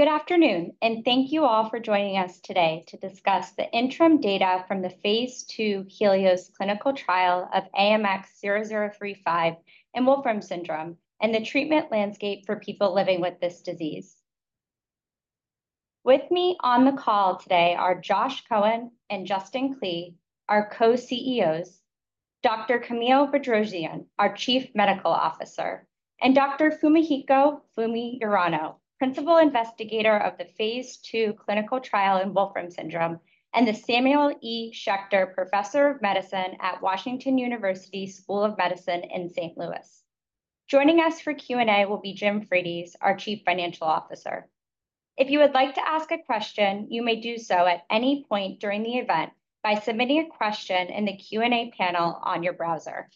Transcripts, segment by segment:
Good afternoon, and thank you all for joining us today to discuss the interim data from the phase II HELIOS clinical trial of AMX0035 in Wolfram syndrome, and the treatment landscape for people living with this disease. With me on the call today are Josh Cohen and Justin Klee, our co-CEOs, Dr. Camille Bedrosian, our Chief Medical Officer, and Dr. Fumihiko 'Fumi' Urano, principal investigator of the phase II clinical trial in Wolfram syndrome, and the Samuel E. Schechter Professor of Medicine at Washington University School of Medicine in St. Louis. Joining us for Q&A will be Jim Frates, our Chief Financial Officer. If you would like to ask a question, you may do so at any point during the event by submitting a question in the Q&A panel on your browser.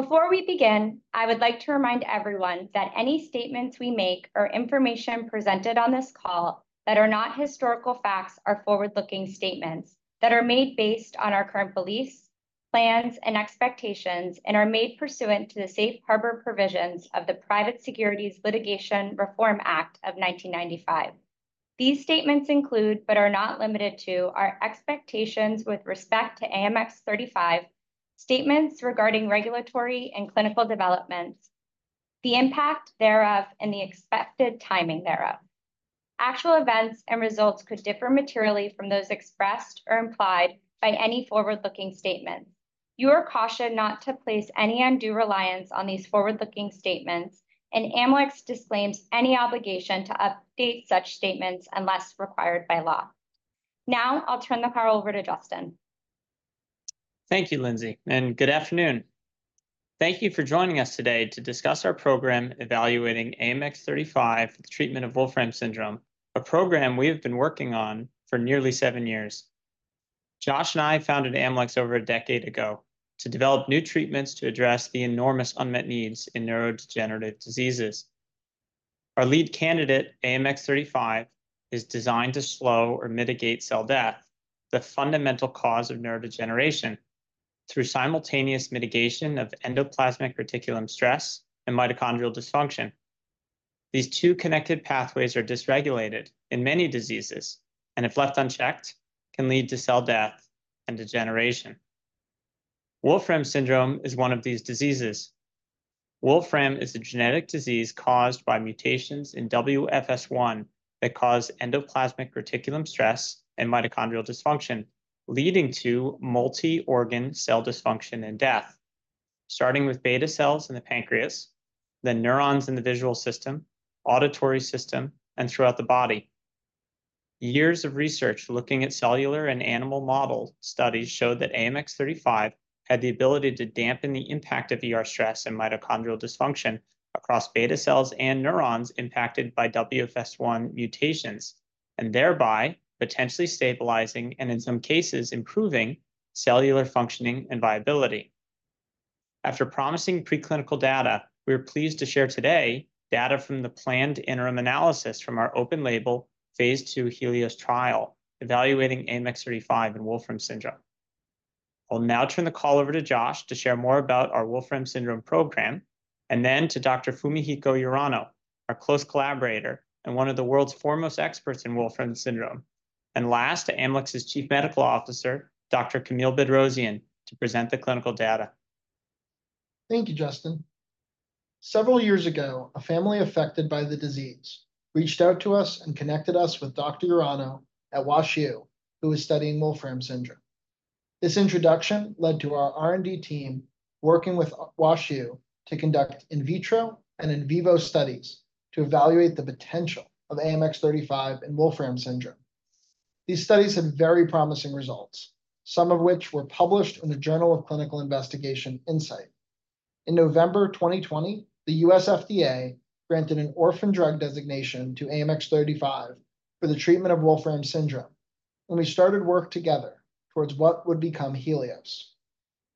Before we begin, I would like to remind everyone that any statements we make or information presented on this call that are not historical facts are forward-looking statements that are made based on our current beliefs, plans, and expectations, and are made pursuant to the safe harbor provisions of the Private Securities Litigation Reform Act of 1995. These statements include, but are not limited to, our expectations with respect to AMX0035, statements regarding regulatory and clinical developments, the impact thereof, and the expected timing thereof. Actual events and results could differ materially from those expressed or implied by any forward-looking statement. You are cautioned not to place any undue reliance on these forward-looking statements, and Amylyx disclaims any obligation to update such statements unless required by law. Now, I'll turn the call over to Justin. Thank you, Lindsay, and good afternoon. Thank you for joining us today to discuss our program evaluating AMX0035 for the treatment of Wolfram syndrome, a program we have been working on for nearly seven years. Josh and I founded Amylyx over a decade ago to develop new treatments to address the enormous unmet needs in neurodegenerative diseases. Our lead candidate, AMX0035, is designed to slow or mitigate cell death, the fundamental cause of neurodegeneration, through simultaneous mitigation of endoplasmic reticulum stress and mitochondrial dysfunction. These two connected pathways are dysregulated in many diseases, and if left unchecked, can lead to cell death and degeneration. Wolfram syndrome is one of these diseases. Wolfram syndrome is a genetic disease caused by mutations in WFS1 that cause endoplasmic reticulum stress and mitochondrial dysfunction, leading to multi-organ cell dysfunction and death, starting with beta cells in the pancreas, then neurons in the visual system, auditory system, and throughout the body. Years of research looking at cellular and animal model studies showed that AMX0035 had the ability to dampen the impact of ER stress and mitochondrial dysfunction across beta cells and neurons impacted by WFS1 mutations, and thereby potentially stabilizing, and in some cases, improving cellular functioning and viability. After promising preclinical data, we are pleased to share today data from the planned interim analysis from our open-label phase II HELIOS trial, evaluating AMX0035 in Wolfram syndrome. I'll now turn the call over to Josh to share more about our Wolfram syndrome program, and then to Dr. Fumihiko Urano, our close collaborator and one of the world's foremost experts in Wolfram syndrome. And last, to Amylyx's Chief Medical Officer, Dr. Camille Bedrosian, to present the clinical data. Thank you, Justin. Several years ago, a family affected by the disease reached out to us and connected us with Dr. Urano at WashU, who was studying Wolfram syndrome. This introduction led to our R&D team working with WashU to conduct in vitro and in vivo studies to evaluate the potential of AMX0035 in Wolfram syndrome. These studies had very promising results, some of which were published in the Journal of Clinical Investigation Insight. In November 2020, the U.S. FDA granted an orphan drug designation to AMX0035 for the treatment of Wolfram syndrome, and we started work together towards what would become HELIOS.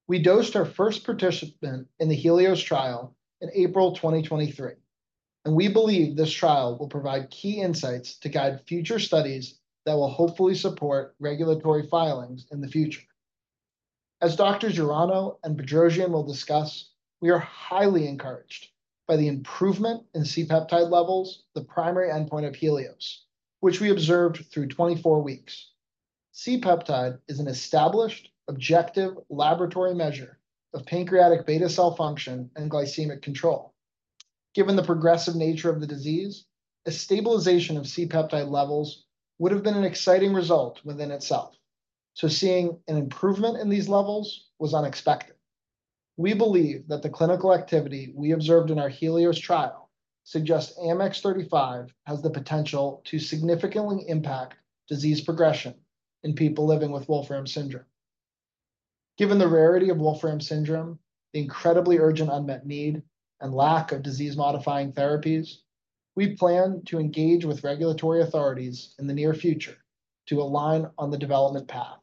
We dosed our first participant in the HELIOS trial in April 2023, and we believe this trial will provide key insights to guide future studies that will hopefully support regulatory filings in the future. As Drs. Urano and Bedrosian will discuss, we are highly encouraged by the improvement in C-peptide levels, the primary endpoint of HELIOS, which we observed through 24 weeks. C-peptide is an established, objective laboratory measure of pancreatic beta cell function and glycemic control. Given the progressive nature of the disease, a stabilization of C-peptide levels would have been an exciting result within itself, so seeing an improvement in these levels was unexpected. We believe that the clinical activity we observed in our HELIOS trial suggests AMX0035 has the potential to significantly impact disease progression in people living with Wolfram syndrome. Given the rarity of Wolfram syndrome, the incredibly urgent unmet need, and lack of disease-modifying therapies, we plan to engage with regulatory authorities in the near future to align on the development path.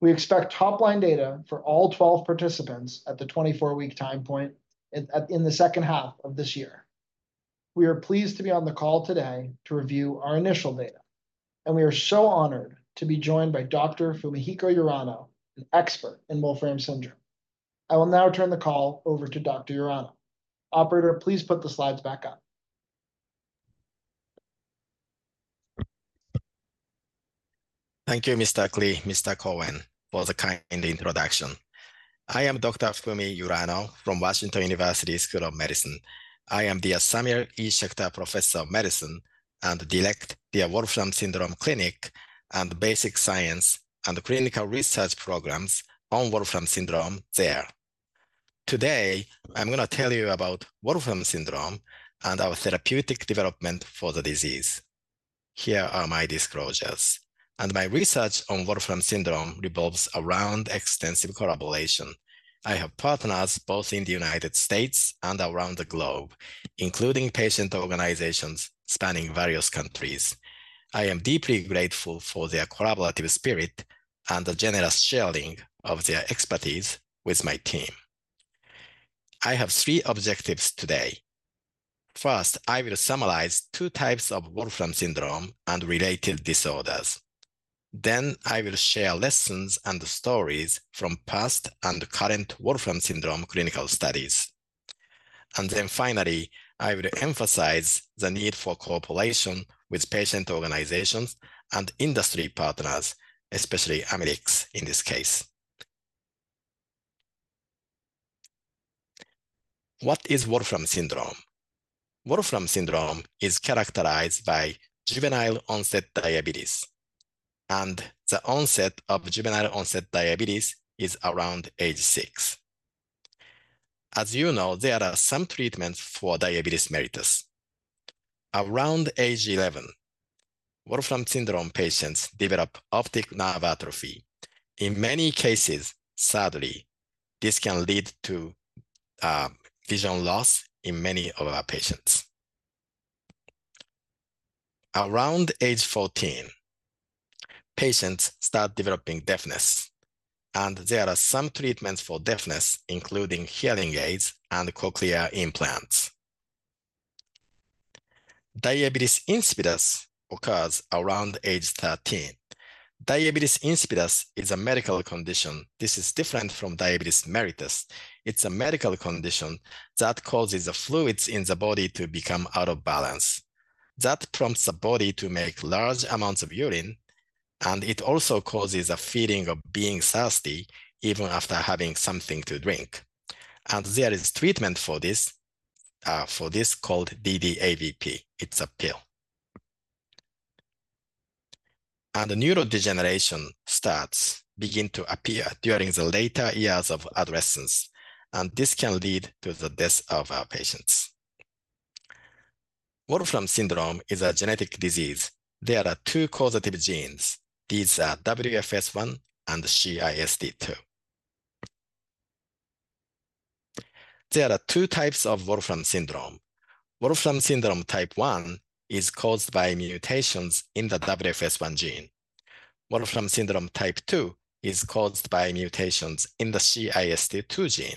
We expect top-line data for all 12 participants at the 24-week time point at, at... in the second half of this year. We are pleased to be on the call today to review our initial data, and we are so honored to be joined by Dr. Fumihiko Urano, an expert in Wolfram syndrome.... I will now turn the call over to Dr. Urano. Operator, please put the slides back up. Thank you, Mr. Klee, Mr. Cohen, for the kind introduction. I am Dr. Fumihiko Urano from Washington University School of Medicine. I am the Samuel E. Schechter Professor of Medicine and direct the Wolfram syndrome Clinic and Basic Science and Clinical Research programs on Wolfram syndrome there. Today, I'm gonna tell you about Wolfram syndrome and our therapeutic development for the disease. Here are my disclosures. My research on Wolfram syndrome revolves around extensive collaboration. I have partners both in the United States and around the globe, including patient organizations spanning various countries. I am deeply grateful for their collaborative spirit and the generous sharing of their expertise with my team. I have three objectives today. First, I will summarize two types of Wolfram syndrome and related disorders. Then I will share lessons and stories from past and current Wolfram syndrome clinical studies. And then finally, I will emphasize the need for cooperation with patient organizations and industry partners, especially Amylyx, in this case. What is Wolfram syndrome? Wolfram syndrome is characterized by juvenile-onset diabetes, and the onset of juvenile-onset diabetes is around age six. As you know, there are some treatments for diabetes mellitus. Around age 11, Wolfram syndrome patients develop optic nerve atrophy. In many cases, sadly, this can lead to vision loss in many of our patients. Around age 14, patients start developing deafness, and there are some treatments for deafness, including hearing aids and cochlear implants. Diabetes insipidus occurs around age 13. Diabetes insipidus is a medical condition. This is different from diabetes mellitus. It's a medical condition that causes the fluids in the body to become out of balance. That prompts the body to make large amounts of urine, and it also causes a feeling of being thirsty even after having something to drink. There is treatment for this, for this, called DDAVP. It's a pill. Neurodegeneration starts to appear during the later years of adolescence, and this can lead to the death of our patients. Wolfram syndrome is a genetic disease. There are two causative genes. These are WFS1 and CISD2. There are two types of Wolfram syndrome. Wolfram syndrome type one is caused by mutations in the WFS1 gene. Wolfram syndrome type two is caused by mutations in the CISD2 gene.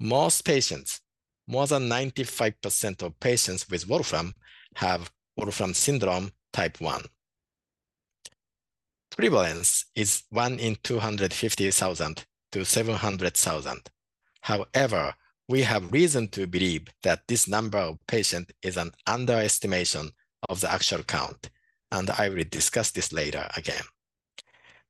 Most patients, more than 95% of patients with Wolfram, have Wolfram syndrome type one. Prevalence is 1 in 250,000-700,000. However, we have reason to believe that this number of patient is an underestimation of the actual count, and I will discuss this later again.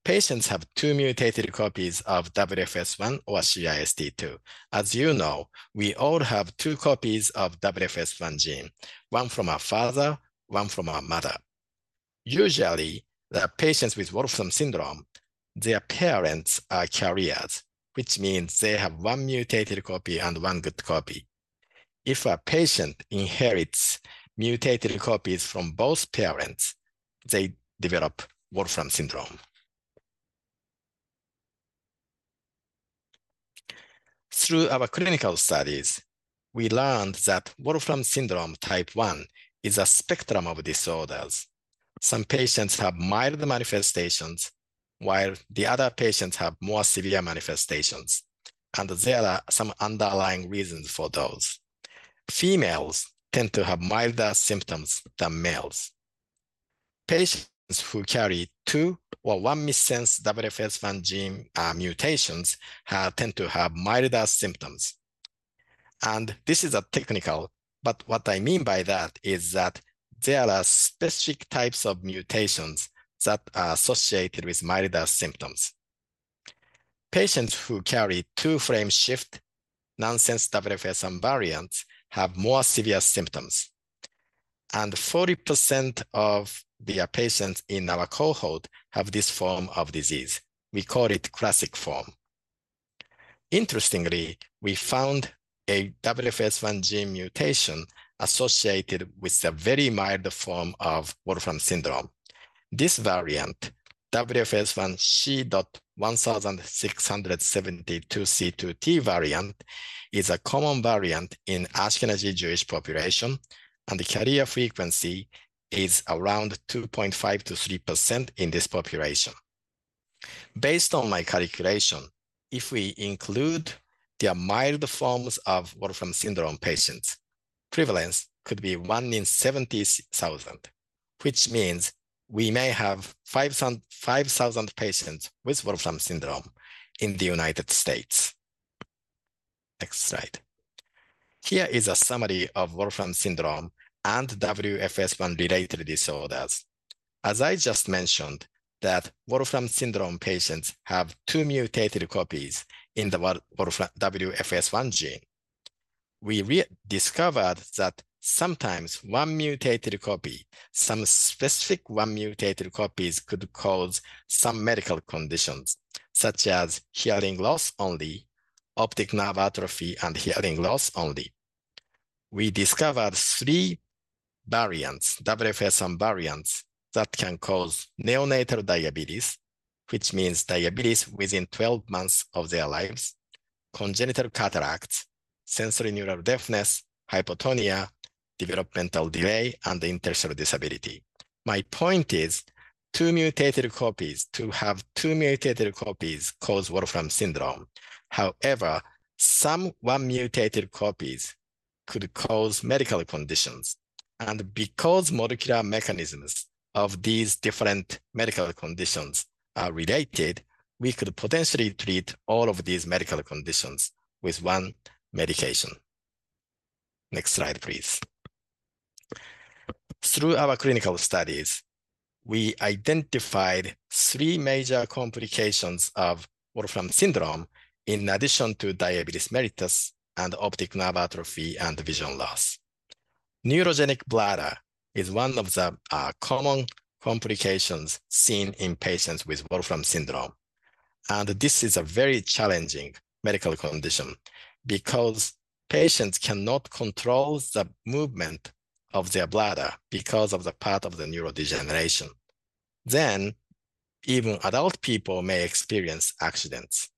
Patients have two mutated copies of WFS1 or CISD2. As you know, we all have two copies of WFS1 gene, one from our father, one from our mother. Usually, the patients with Wolfram syndrome, their parents are carriers, which means they have one mutated copy and one good copy. If a patient inherits mutated copies from both parents, they develop Wolfram syndrome. Through our clinical studies, we learned that Wolfram syndrome type one is a spectrum of disorders. Some patients have milder manifestations, while the other patients have more severe manifestations, and there are some underlying reasons for those. Females tend to have milder symptoms than males. Patients who carry two or one missense WFS1 gene mutations tend to have milder symptoms. This is a technical, but what I mean by that is that there are specific types of mutations that are associated with milder symptoms. Patients who carry two frame shift nonsense WFS1 variants have more severe symptoms, and 40% of the patients in our cohort have this form of disease. We call it classic form. Interestingly, we found a WFS1 gene mutation associated with a very mild form of Wolfram syndrome. This variant, WFS1 c.1672C>T variant, is a common variant in Ashkenazi Jewish population, and the carrier frequency is around 2.5%-3% in this population. Based on my calculation, if we include the mild forms of Wolfram syndrome patients, prevalence could be one in 70,000, which means we may have 5,000 patients with Wolfram syndrome in the United States. Next slide. Here is a summary of Wolfram syndrome and WFS1-related disorders. As I just mentioned, that Wolfram syndrome patients have two mutated copies in the Wolfram WFS1 gene. We discovered that sometimes one mutated copy, some specific one mutated copies, could cause some medical conditions, such as hearing loss only, optic nerve atrophy, and hearing loss only. We discovered three variants, WFS1 variants, that can cause neonatal diabetes, which means diabetes within 12 months of their lives, congenital cataracts, sensorineural deafness, hypotonia, developmental delay, and intellectual disability. My point is, two mutated copies, to have two mutated copies cause Wolfram syndrome. However, some one mutated copies could cause medical conditions, and because molecular mechanisms of these different medical conditions are related, we could potentially treat all of these medical conditions with one medication. Next slide, please. Through our clinical studies, we identified three major complications of Wolfram syndrome in addition to diabetes mellitus and optic nerve atrophy and vision loss. Neurogenic bladder is one of the common complications seen in patients with Wolfram syndrome, and this is a very challenging medical condition because patients cannot control the movement of their bladder because of the part of the neurodegeneration. Then, even adult people may experience accidents,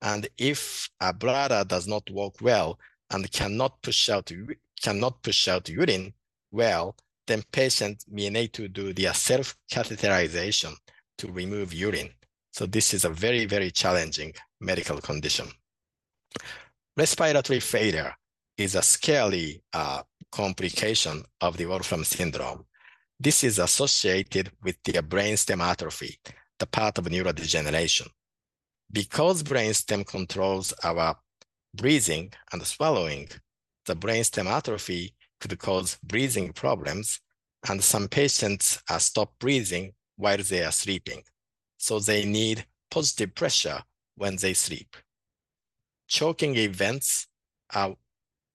and if a bladder does not work well and cannot push out urine well, then patient may need to do their self-catheterization to remove urine. So this is a very, very challenging medical condition. Respiratory failure is a scary complication of the Wolfram syndrome. This is associated with the brainstem atrophy, the part of neurodegeneration. Because brainstem controls our breathing and swallowing, the brainstem atrophy could cause breathing problems, and some patients stop breathing while they are sleeping, so they need positive pressure when they sleep. Choking events are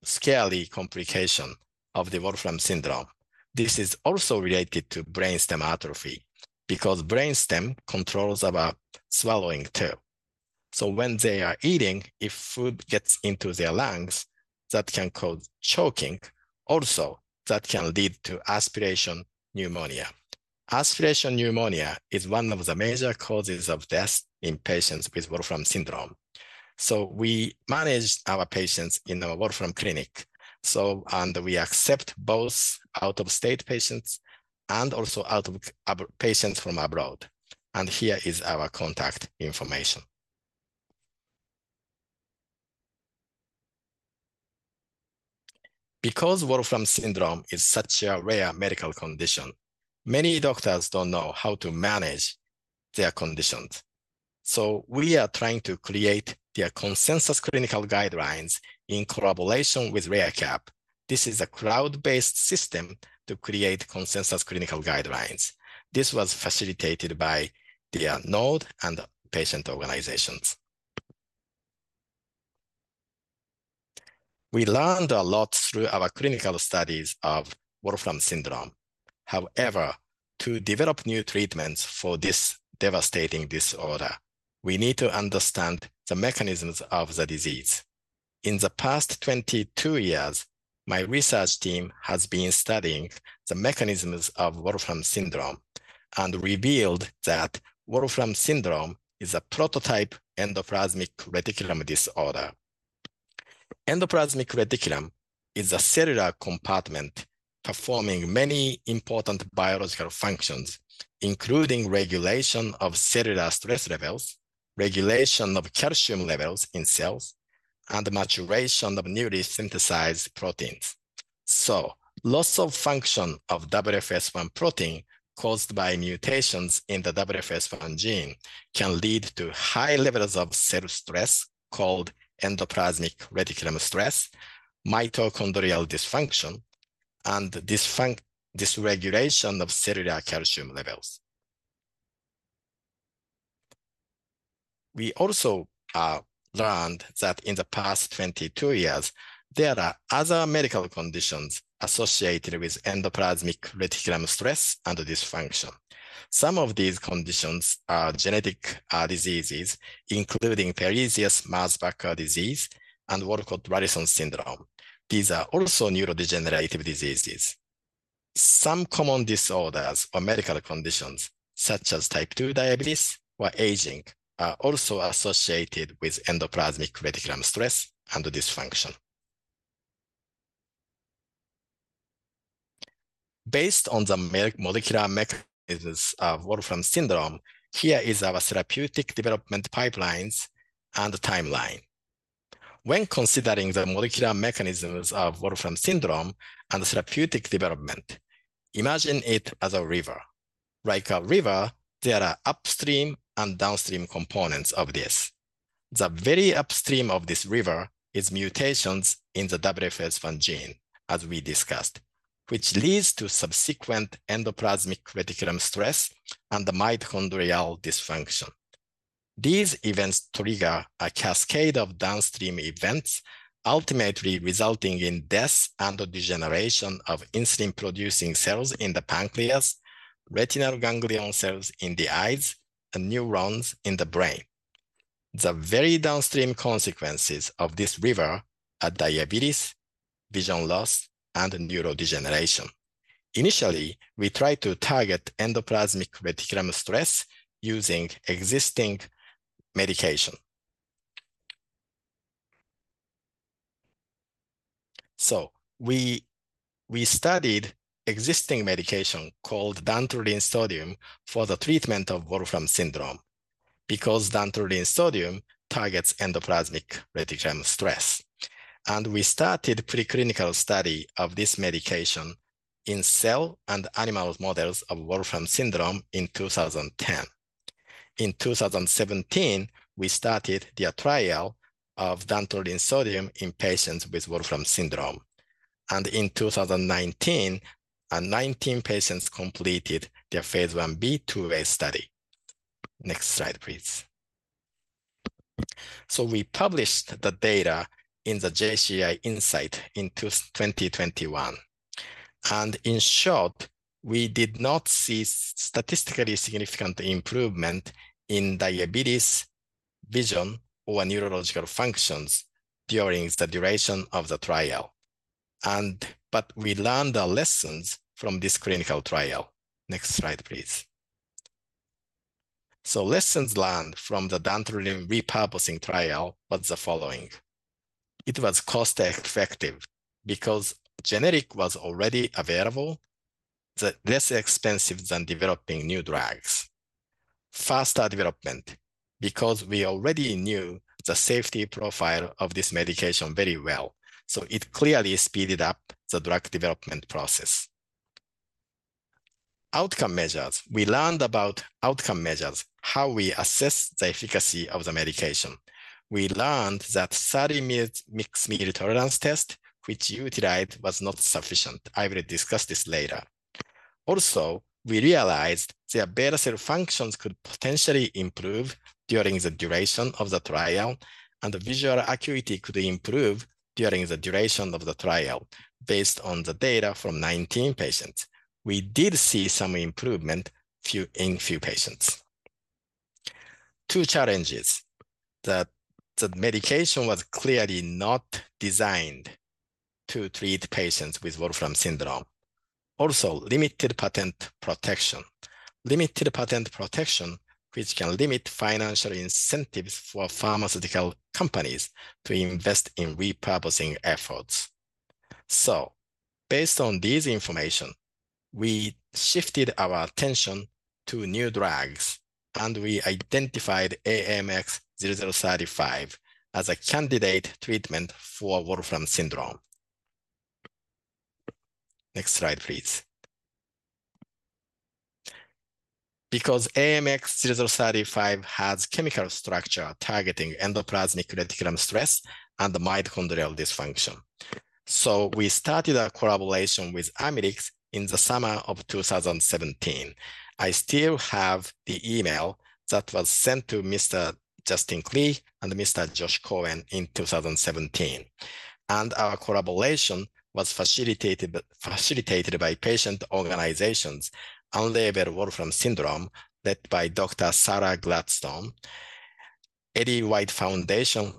scary complication of the Wolfram syndrome. This is also related to brainstem atrophy because brainstem controls our swallowing, too. So when they are eating, if food gets into their lungs, that can cause choking. Also, that can lead to aspiration pneumonia. Aspiration pneumonia is one of the major causes of death in patients with Wolfram syndrome. So we manage our patients in the Wolfram Clinic, and we accept both out-of-state patients and also patients from abroad. And here is our contact information. Because Wolfram syndrome is such a rare medical condition, many doctors don't know how to manage their conditions, so we are trying to create the consensus clinical guidelines in collaboration with REDCap. This is a cloud-based system to create consensus clinical guidelines. This was facilitated by the NORD and patient organizations. We learned a lot through our clinical studies of Wolfram syndrome. However, to develop new treatments for this devastating disorder, we need to understand the mechanisms of the disease. In the past 22 years, my research team has been studying the mechanisms of Wolfram syndrome and revealed that Wolfram syndrome is a prototype endoplasmic reticulum disorder. Endoplasmic reticulum is a cellular compartment performing many important biological functions, including regulation of cellular stress levels, regulation of calcium levels in cells, and maturation of newly synthesized proteins. So loss of function of WFS1 protein caused by mutations in the WFS1 gene can lead to high levels of cell stress, called endoplasmic reticulum stress, mitochondrial dysfunction, and dysregulation of cellular calcium levels. We also learned that in the past 22 years, there are other medical conditions associated with endoplasmic reticulum stress and dysfunction. Some of these conditions are genetic diseases, including Pelizaeus-Merzbacher disease and Wolcott-Rallison syndrome. These are also neurodegenerative diseases. Some common disorders or medical conditions, such as type 2 diabetes or aging, are also associated with endoplasmic reticulum stress and dysfunction.... Based on the molecular mechanisms of Wolfram syndrome, here is our therapeutic development pipelines and timeline. When considering the molecular mechanisms of Wolfram syndrome and therapeutic development, imagine it as a river. Like a river, there are upstream and downstream components of this. The very upstream of this river is mutations in the WFS1 gene, as we discussed, which leads to subsequent endoplasmic reticulum stress and mitochondrial dysfunction. These events trigger a cascade of downstream events, ultimately resulting in death and the degeneration of insulin-producing cells in the pancreas, retinal ganglion cells in the eyes, and neurons in the brain. The very downstream consequences of this river are diabetes, vision loss, and neurodegeneration. Initially, we tried to target endoplasmic reticulum stress using existing medication. We studied existing medication called dantrolene sodium for the treatment of Wolfram syndrome because dantrolene sodium targets endoplasmic reticulum stress. We started preclinical study of this medication in cell and animal models of Wolfram syndrome in 2010. In 2017, we started the trial of dantrolene sodium in patients with Wolfram syndrome. In 2019, 19 patients completed their phase I b, two-way study. Next slide, please. We published the data in the JCI Insight in 2021, and in short, we did not see statistically significant improvement in diabetes, vision, or neurological functions during the duration of the trial. But we learned our lessons from this clinical trial. Next slide, please. Lessons learned from the dantrolene repurposing trial was the following: It was cost effective because generic was already available, the less expensive than developing new drugs. Faster development, because we already knew the safety profile of this medication very well, so it clearly speeded up the drug development process. Outcome measures. We learned about outcome measures, how we assess the efficacy of the medication. We learned that the mixed meal tolerance test, which utilized, was not sufficient. I will discuss this later. Also, we realized their beta cell functions could potentially improve during the duration of the trial, and the visual acuity could improve during the duration of the trial. Based on the data from 19 patients, we did see some improvement in a few patients. Two challenges. That the medication was clearly not designed to treat patients with Wolfram syndrome. Also, limited patent protection. Limited patent protection, which can limit financial incentives for pharmaceutical companies to invest in repurposing efforts. So based on this information, we shifted our attention to new drugs, and we identified AMX0035 as a candidate treatment for Wolfram syndrome. Next slide, please. Because AMX0035 has chemical structure targeting endoplasmic reticulum stress and mitochondrial dysfunction. So we started a collaboration with Amylyx in the summer of 2017. I still have the email that was sent to Mr. Justin Klee and Mr.Josh Cohen in 2017, and our collaboration was facilitated by patient organizations, Unravel Wolfram syndrome, led by Dr. Sarah Gladstone, Ellie White Foundation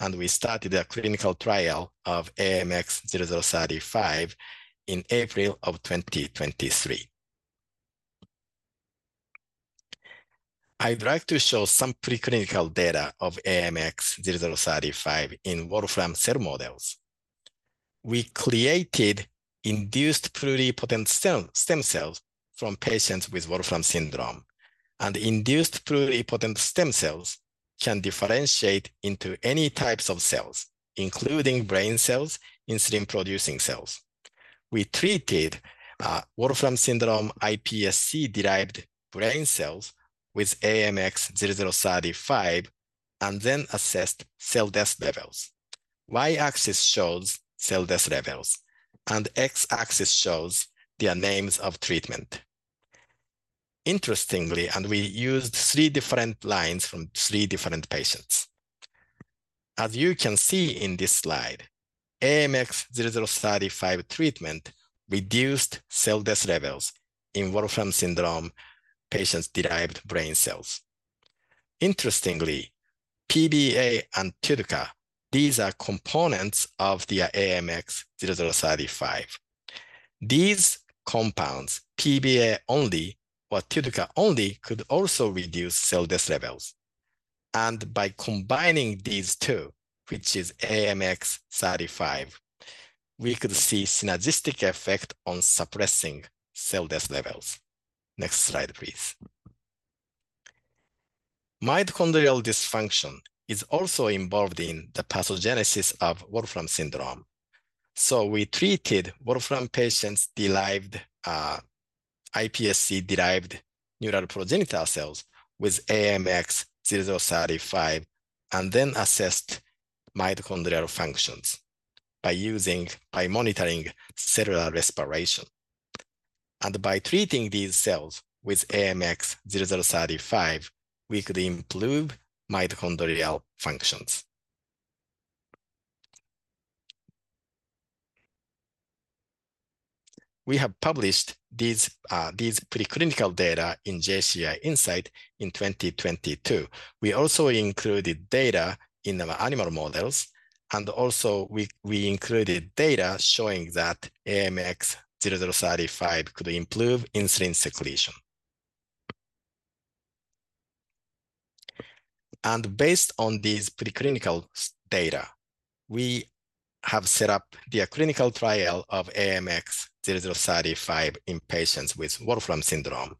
Y-axis shows cell death levels, and X-axis shows their names of treatment. Interestingly, we used three different lines from three different patients. As you can see in this slide, AMX0035 treatment reduced cell death levels in Wolfram syndrome patient-derived brain cells.... Interestingly, PBA and TUDCA, these are components of the AMX0035. These compounds, PBA only or TUDCA only, could also reduce cell death levels. By combining these two, which is AMX0035, we could see synergistic effect on suppressing cell death levels. Next slide, please. Mitochondrial dysfunction is also involved in the pathogenesis of Wolfram syndrome. So we treated Wolfram patient-derived iPSC-derived neural progenitor cells with AMX0035, and then assessed mitochondrial functions by monitoring cellular respiration. By treating these cells with AMX0035, we could improve mitochondrial functions. We have published these preclinical data in JCI Insight in 2022. We also included data in our animal models, and also we included data showing that AMX0035 could improve insulin secretion. Based on these preclinical data, we have set up the clinical trial of AMX0035 in patients with Wolfram syndrome.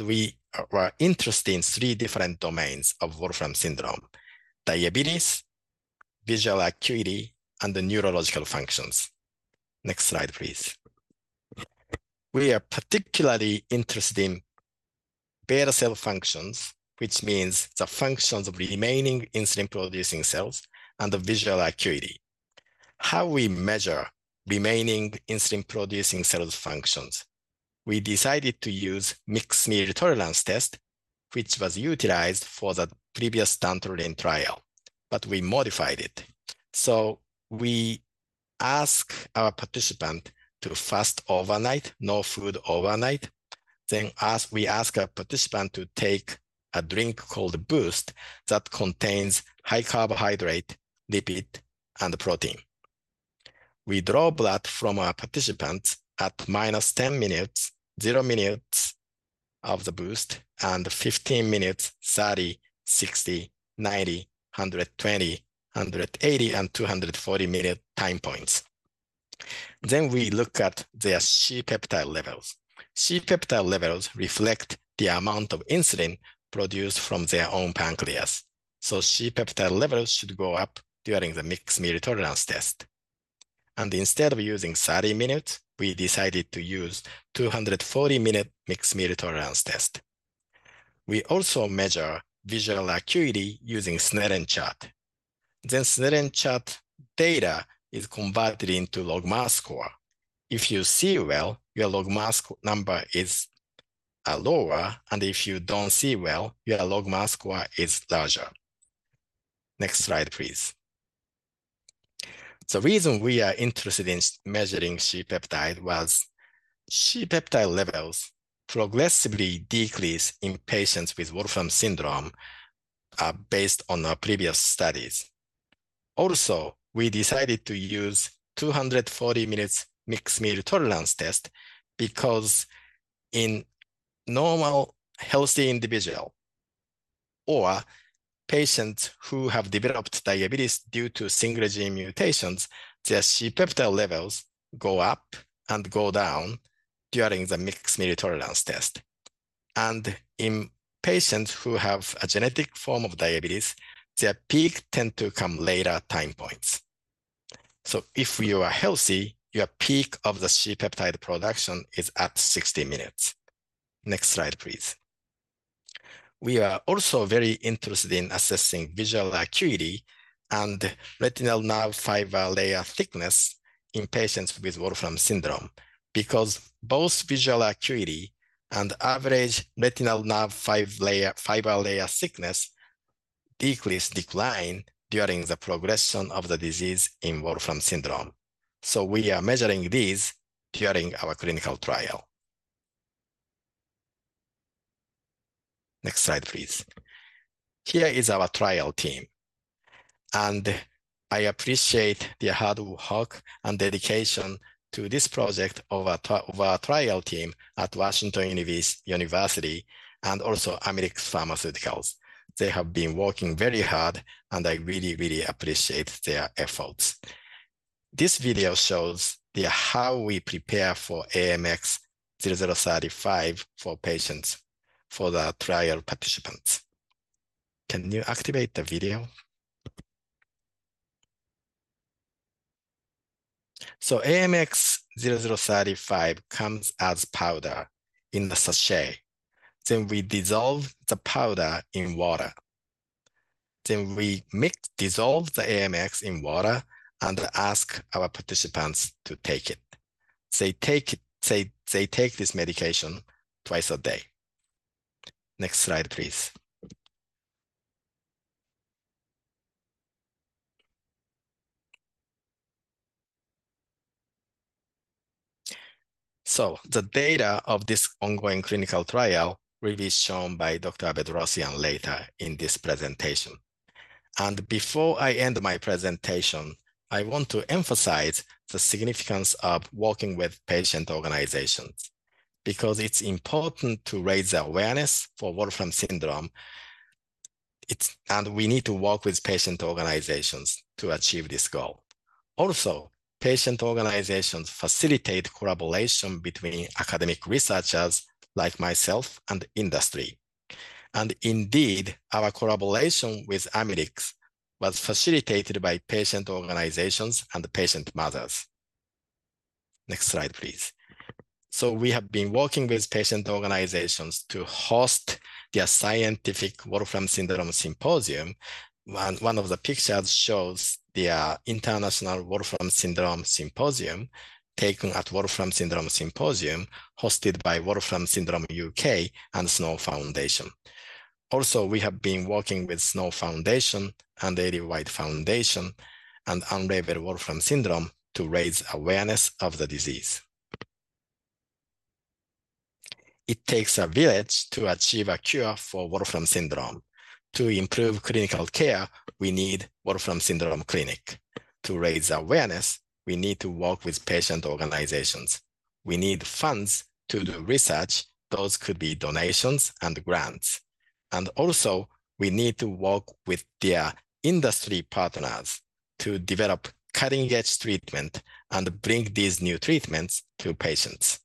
We are interested in three different domains of Wolfram syndrome: diabetes, visual acuity, and the neurological functions. Next slide, please. We are particularly interested in beta cell functions, which means the functions of remaining insulin-producing cells and the visual acuity. How we measure remaining insulin-producing cells functions? We decided to use mixed meal tolerance test, which was utilized for the previous dantrolene trial, but we modified it. We ask our participant to fast overnight, no food overnight. Then we ask our participant to take a drink called Boost, that contains high carbohydrate, lipid, and protein. We draw blood from our participants at -10 minutes, zero minutes of the Boost, and 15 minutes, 30, 60, 90, 120, 180, and 240-minute time points. Then we look at their C-peptide levels. C-peptide levels reflect the amount of insulin produced from their own pancreas, so C-peptide levels should go up during the mixed meal tolerance test. Instead of using 30 minutes, we decided to use 240-minute mixed meal tolerance test. We also measure visual acuity using Snellen chart. Then Snellen chart data is converted into logMAR score. If you see well, your logMAR score number is lower, and if you don't see well, your logMAR score is larger. Next slide, please. The reason we are interested in measuring C-peptide was C-peptide levels progressively decrease in patients with Wolfram syndrome, based on our previous studies. Also, we decided to use 240 minutes mixed meal tolerance test because in normal, healthy individual or patients who have developed diabetes due to single gene mutations, their C-peptide levels go up and go down during the mixed meal tolerance test. In patients who have a genetic form of diabetes, their peak tend to come later time points. If you are healthy, your peak of the C-peptide production is at 60 minutes. Next slide, please. We are also very interested in assessing visual acuity and retinal nerve fiber layer thickness in patients with Wolfram syndrome, because both visual acuity and average retinal nerve fiber layer thickness decrease, decline during the progression of the disease in Wolfram syndrome. We are measuring these during our clinical trial. Next slide, please. Here is our trial team, and I appreciate their hard work and dedication to this project of our trial team at Washington University and also Amylyx Pharmaceuticals. They have been working very hard, and I really, really appreciate their efforts. This video shows how we prepare AMX0035 for patients for the trial participants. Can you activate the video? So AMX0035 comes as powder in the sachet. Then we dissolve the powder in water. Then we dissolve the AMX in water and ask our participants to take it. They take it. They take this medication twice a day. Next slide, please. So the data of this ongoing clinical trial will be shown by Dr. Bedrosian later in this presentation. Before I end my presentation, I want to emphasize the significance of working with patient organizations, because it's important to raise awareness for Wolfram syndrome. It's. And we need to work with patient organizations to achieve this goal. Also, patient organizations facilitate collaboration between academic researchers, like myself, and industry. And indeed, our collaboration with Amylyx was facilitated by patient organizations and patient mothers. Next slide, please. We have been working with patient organizations to host their scientific Wolfram syndrome Symposium, and one of the pictures shows their International Wolfram syndrome Symposium, taken at Wolfram syndrome Symposium, hosted by Wolfram syndrome UK and Snow Foundation. Also, we have been working with Snow Foundation and Ellie White Foundation and Unravel Wolfram syndrome to raise awareness of the disease. It takes a village to achieve a cure for Wolfram syndrome. To improve clinical care, we need Wolfram syndrome Clinic. To raise awareness, we need to work with patient organizations. We need funds to do research. Those could be donations and grants. And also, we need to work with their industry partners to develop cutting-edge treatment and bring these new treatments to patients.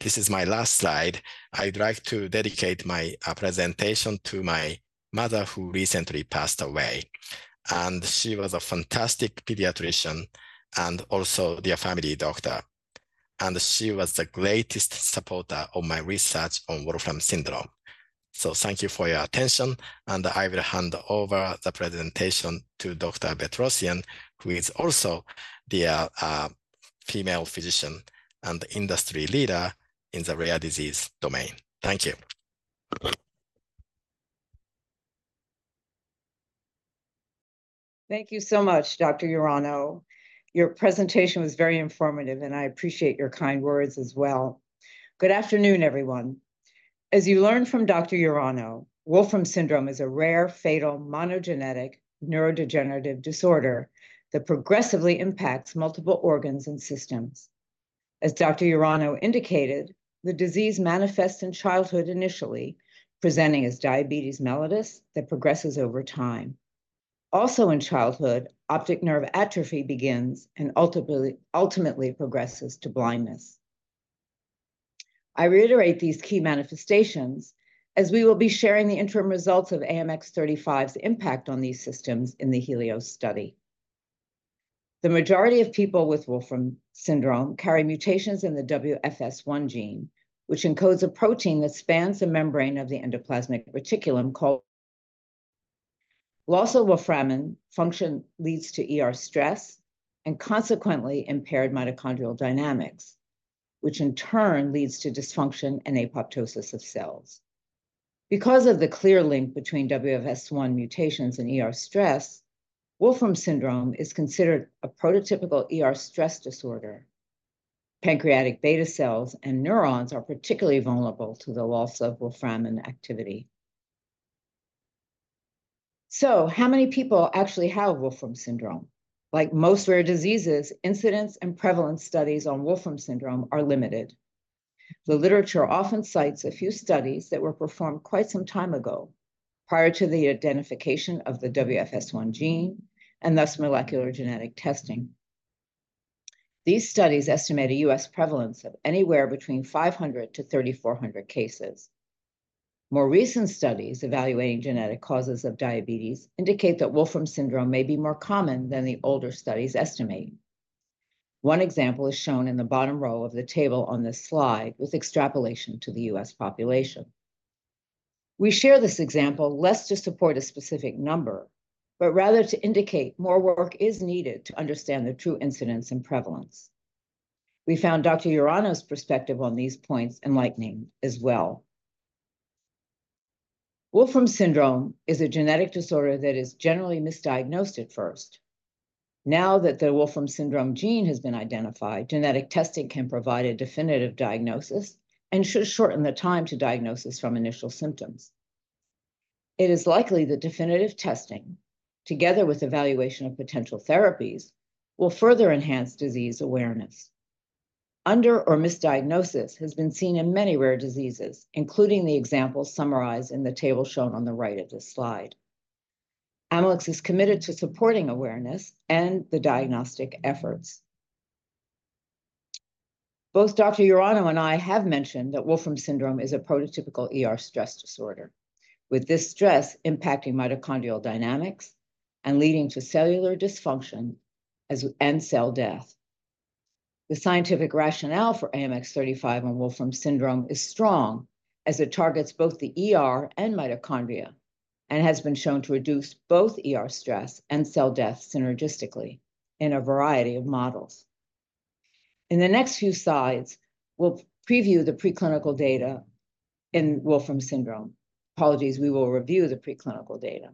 This is my last slide. I'd like to dedicate my presentation to my mother, who recently passed away, and she was a fantastic pediatrician and also their family doctor, and she was the greatest supporter of my research on Wolfram syndrome. So thank you for your attention, and I will hand over the presentation to Dr. Bedrosian, who is also their female physician and industry leader in the rare disease domain. Thank you. Thank you so much, Dr. Urano. Your presentation was very informative, and I appreciate your kind words as well. Good afternoon, everyone. As you learned from Dr. Urano, Wolfram syndrome is a rare, fatal, monogenetic neurodegenerative disorder that progressively impacts multiple organs and systems. As Dr. Urano indicated, the disease manifests in childhood initially, presenting as diabetes mellitus that progresses over time. Also in childhood, optic nerve atrophy begins and ultimately progresses to blindness. I reiterate these key manifestations, as we will be sharing the interim results of AMX0035's impact on these systems in the HELIOS study. The majority of people with Wolfram syndrome carry mutations in the WFS1 gene, which encodes a protein that spans the membrane of the endoplasmic reticulum, called... Loss of wolframin function leads to ER stress and consequently impaired mitochondrial dynamics, which in turn leads to dysfunction and apoptosis of cells. Because of the clear link between WFS1 mutations and ER stress, Wolfram syndrome is considered a prototypical ER stress disorder. Pancreatic beta cells and neurons are particularly vulnerable to the loss of wolframin activity. So how many people actually have Wolfram syndrome? Like most rare diseases, incidence and prevalence studies on Wolfram syndrome are limited. The literature often cites a few studies that were performed quite some time ago, prior to the identification of the WFS1 gene, and thus molecular genetic testing. These studies estimate a U.S. prevalence of anywhere between 500-3,400 cases. More recent studies evaluating genetic causes of diabetes indicate that Wolfram syndrome may be more common than the older studies estimate. One example is shown in the bottom row of the table on this slide, with extrapolation to the U.S. population. We share this example less to support a specific number, but rather to indicate more work is needed to understand the true incidence and prevalence. We found Dr. Urano's perspective on these points enlightening as well. Wolfram syndrome is a genetic disorder that is generally misdiagnosed at first. Now that the Wolfram syndrome gene has been identified, genetic testing can provide a definitive diagnosis and should shorten the time to diagnosis from initial symptoms. It is likely that definitive testing, together with evaluation of potential therapies, will further enhance disease awareness. Under- or misdiagnosis has been seen in many rare diseases, including the examples summarized in the table shown on the right of this slide. Amylyx is committed to supporting awareness and the diagnostic efforts. Both Dr. Urano and I have mentioned that Wolfram syndrome is a prototypical ER stress disorder, with this stress impacting mitochondrial dynamics and leading to cellular dysfunction as and cell death. The scientific rationale for AMX0035 on Wolfram syndrome is strong, as it targets both the ER and mitochondria, and has been shown to reduce both ER stress and cell death synergistically in a variety of models. In the next few slides, we'll preview the preclinical data in Wolfram syndrome. Apologies, we will review the preclinical data.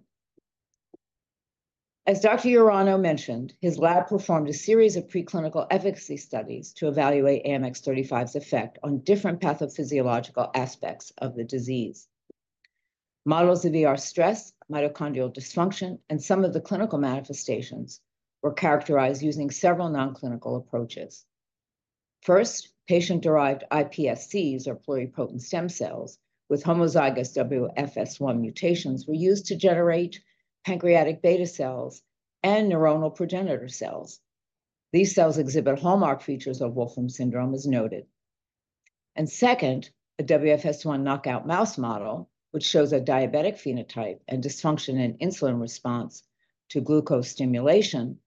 As Dr. Urano mentioned, his lab performed a series of preclinical efficacy studies to evaluate AMX0035's effect on different pathophysiological aspects of the disease. Models of ER stress, mitochondrial dysfunction, and some of the clinical manifestations were characterized using several non-clinical approaches. First, patient-derived iPSCs, or pluripotent stem cells, with homozygous WFS1 mutations were used to generate pancreatic beta cells and neuronal progenitor cells. These cells exhibit hallmark features of Wolfram syndrome, as noted. Second, a WFS1 knockout mouse model, which shows a diabetic phenotype and dysfunction in insulin response to glucose stimulation,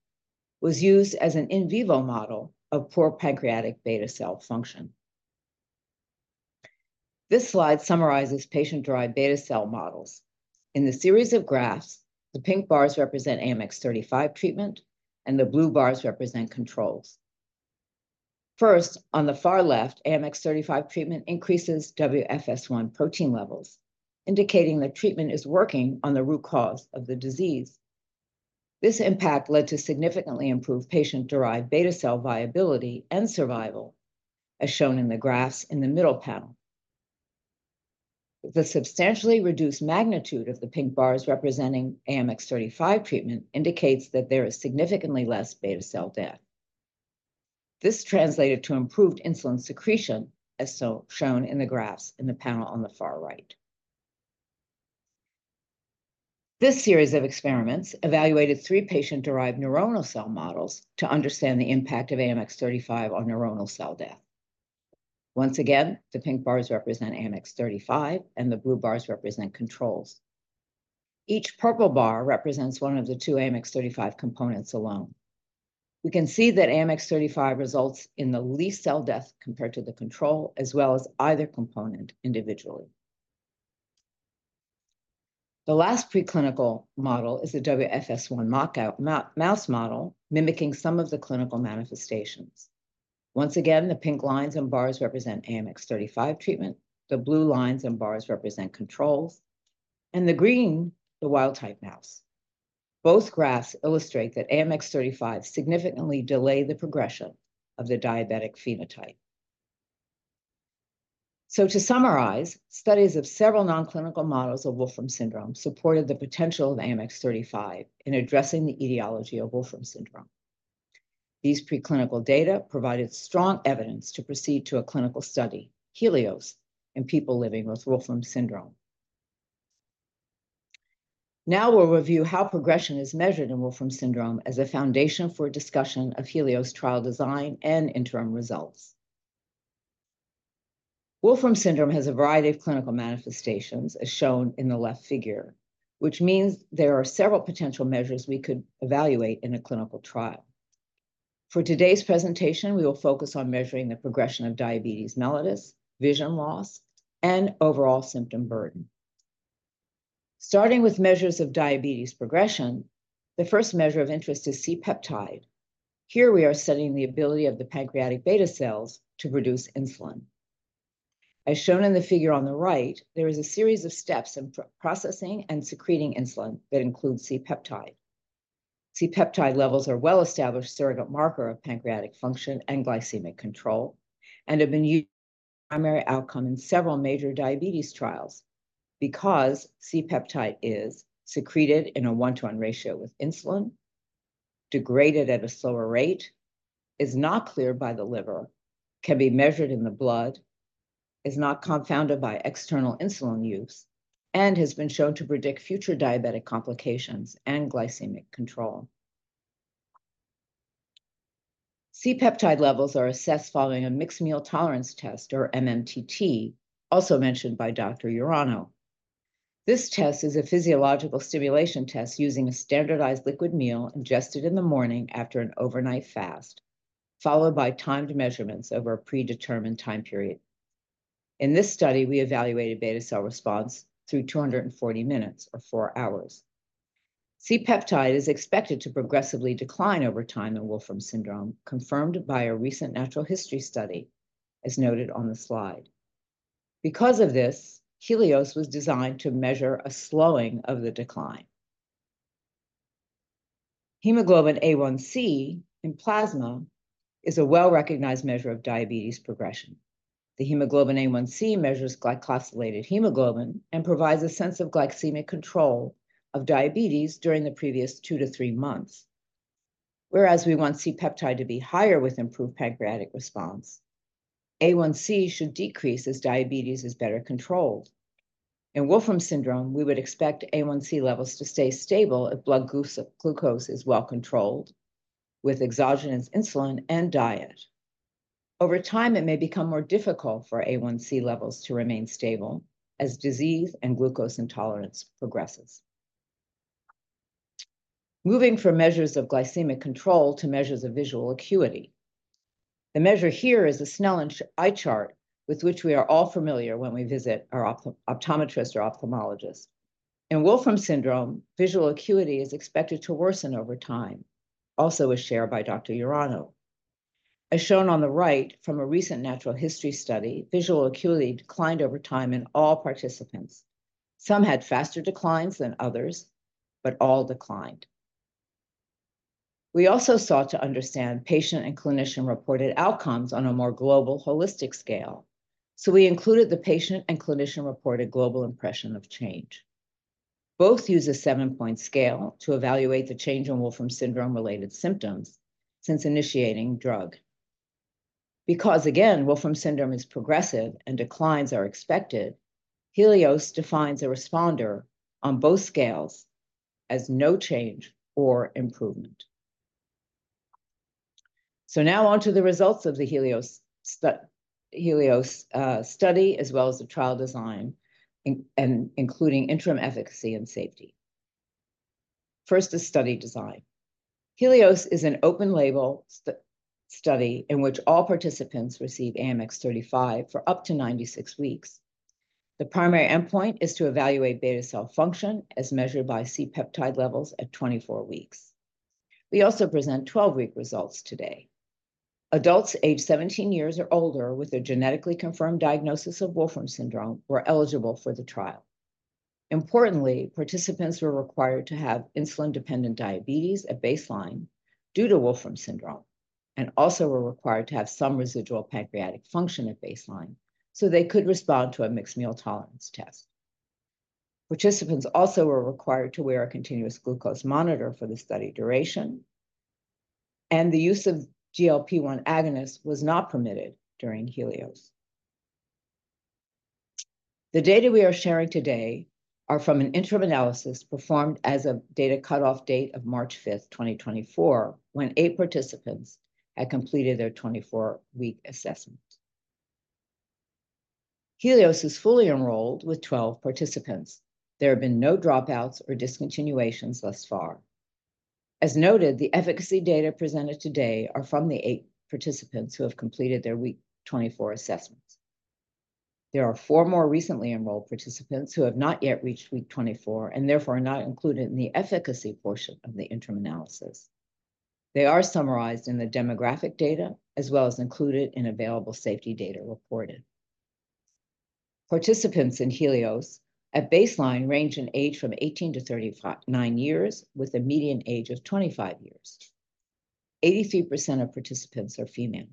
was used as an in vivo model of poor pancreatic beta cell function. This slide summarizes patient-derived beta cell models. In the series of graphs, the pink bars represent AMX0035 treatment, and the blue bars represent controls. First, on the far left, AMX0035 treatment increases WFS1 protein levels, indicating that treatment is working on the root cause of the disease. This impact led to significantly improved patient-derived beta cell viability and survival, as shown in the graphs in the middle panel. The substantially reduced magnitude of the pink bars representing AMX0035 treatment indicates that there is significantly less beta cell death. This translated to improved insulin secretion, as shown in the graphs in the panel on the far right. This series of experiments evaluated three patient-derived neuronal cell models to understand the impact of AMX0035 on neuronal cell death. Once again, the pink bars represent AMX0035, and the blue bars represent controls. Each purple bar represents one of the two AMX0035 components alone. We can see that AMX0035 results in the least cell death compared to the control, as well as either component individually. The last preclinical model is the WFS1 knockout mouse model, mimicking some of the clinical manifestations. Once again, the pink lines and bars represent AMX0035 treatment, the blue lines and bars represent controls, and the green, the wild-type mouse. Both graphs illustrate that AMX0035 significantly delay the progression of the diabetic phenotype. So to summarize, studies of several non-clinical models of Wolfram syndrome supported the potential of AMX0035 in addressing the etiology of Wolfram syndrome. These preclinical data provided strong evidence to proceed to a clinical study, HELIOS, in people living with Wolfram syndrome. Now we'll review how progression is measured in Wolfram syndrome as a foundation for discussion of HELIOS trial design and interim results. Wolfram syndrome has a variety of clinical manifestations, as shown in the left figure, which means there are several potential measures we could evaluate in a clinical trial. For today's presentation, we will focus on measuring the progression of diabetes mellitus, vision loss, and overall symptom burden. Starting with measures of diabetes progression, the first measure of interest is C-peptide. Here, we are studying the ability of the pancreatic beta cells to produce insulin. As shown in the figure on the right, there is a series of steps in processing and secreting insulin that include C-peptide. C-peptide levels are a well-established surrogate marker of pancreatic function and glycemic control and have been used as primary outcome in several major diabetes trials because C-peptide is secreted in a 1:1 ratio with insulin, degraded at a slower rate, is not cleared by the liver, can be measured in the blood, is not confounded by external insulin use, and has been shown to predict future diabetic complications and glycemic control. C-peptide levels are assessed following a mixed meal tolerance test, or MMTT, also mentioned by Dr. Urano. This test is a physiological stimulation test using a standardized liquid meal ingested in the morning after an overnight fast, followed by timed measurements over a predetermined time period. In this study, we evaluated beta cell response through 240 minutes, or 4 hours. C-peptide is expected to progressively decline over time in Wolfram syndrome, confirmed by a recent natural history study, as noted on the slide. Because of this, HELIOS was designed to measure a slowing of the decline. Hemoglobin A1C in plasma is a well-recognized measure of diabetes progression. The hemoglobin A1C measures glycosylated hemoglobin and provides a sense of glycemic control of diabetes during the previous two to three months. Whereas we want C-peptide to be higher with improved pancreatic response, A1C should decrease as diabetes is better controlled. In Wolfram syndrome, we would expect A1C levels to stay stable if blood glucose is well controlled with exogenous insulin and diet. Over time, it may become more difficult for A1C levels to remain stable as disease and glucose intolerance progresses. Moving from measures of glycemic control to measures of visual acuity. The measure here is a Snellen Eye Chart, with which we are all familiar when we visit our optometrist or ophthalmologist. In Wolfram syndrome, visual acuity is expected to worsen over time, also as shared by Dr. Urano…. As shown on the right from a recent natural history study, visual acuity declined over time in all participants. Some had faster declines than others, but all declined. We also sought to understand patient and clinician-reported outcomes on a more global holistic scale, so we included the patient and clinician-reported global impression of change. Both use a seven-point scale to evaluate the change in Wolfram syndrome-related symptoms since initiating drug. Because, again, Wolfram syndrome is progressive and declines are expected, HELIOS defines a responder on both scales as no change or improvement. So now on to the results of the HELIOS study, as well as the trial design, including interim efficacy and safety. First is study design. HELIOS is an open-label study in which all participants receive AMX0035 for up to 96 weeks. The primary endpoint is to evaluate beta cell function, as measured by C-peptide levels at 24 weeks. We also present 12-week results today. Adults aged 17 years or older with a genetically confirmed diagnosis of Wolfram syndrome were eligible for the trial. Importantly, participants were required to have insulin-dependent diabetes at baseline due to Wolfram syndrome, and also were required to have some residual pancreatic function at baseline, so they could respond to a mixed meal tolerance test. Participants also were required to wear a continuous glucose monitor for the study duration, and the use of GLP-1 agonist was not permitted during HELIOS. The data we are sharing today are from an interim analysis performed as of data cutoff date of March 5th, 2024, when eight participants had completed their 24-week assessment. HELIOS is fully enrolled with 12 participants. There have been no dropouts or discontinuations thus far. As noted, the efficacy data presented today are from the eight participants who have completed their week 24 assessments. There are four more recently enrolled participants who have not yet reached week 24, and therefore are not included in the efficacy portion of the interim analysis. They are summarized in the demographic data, as well as included in available safety data reported. Participants in HELIOS at baseline range in age from 18 to 39 years, with a median age of 25 years. 83% of participants are female.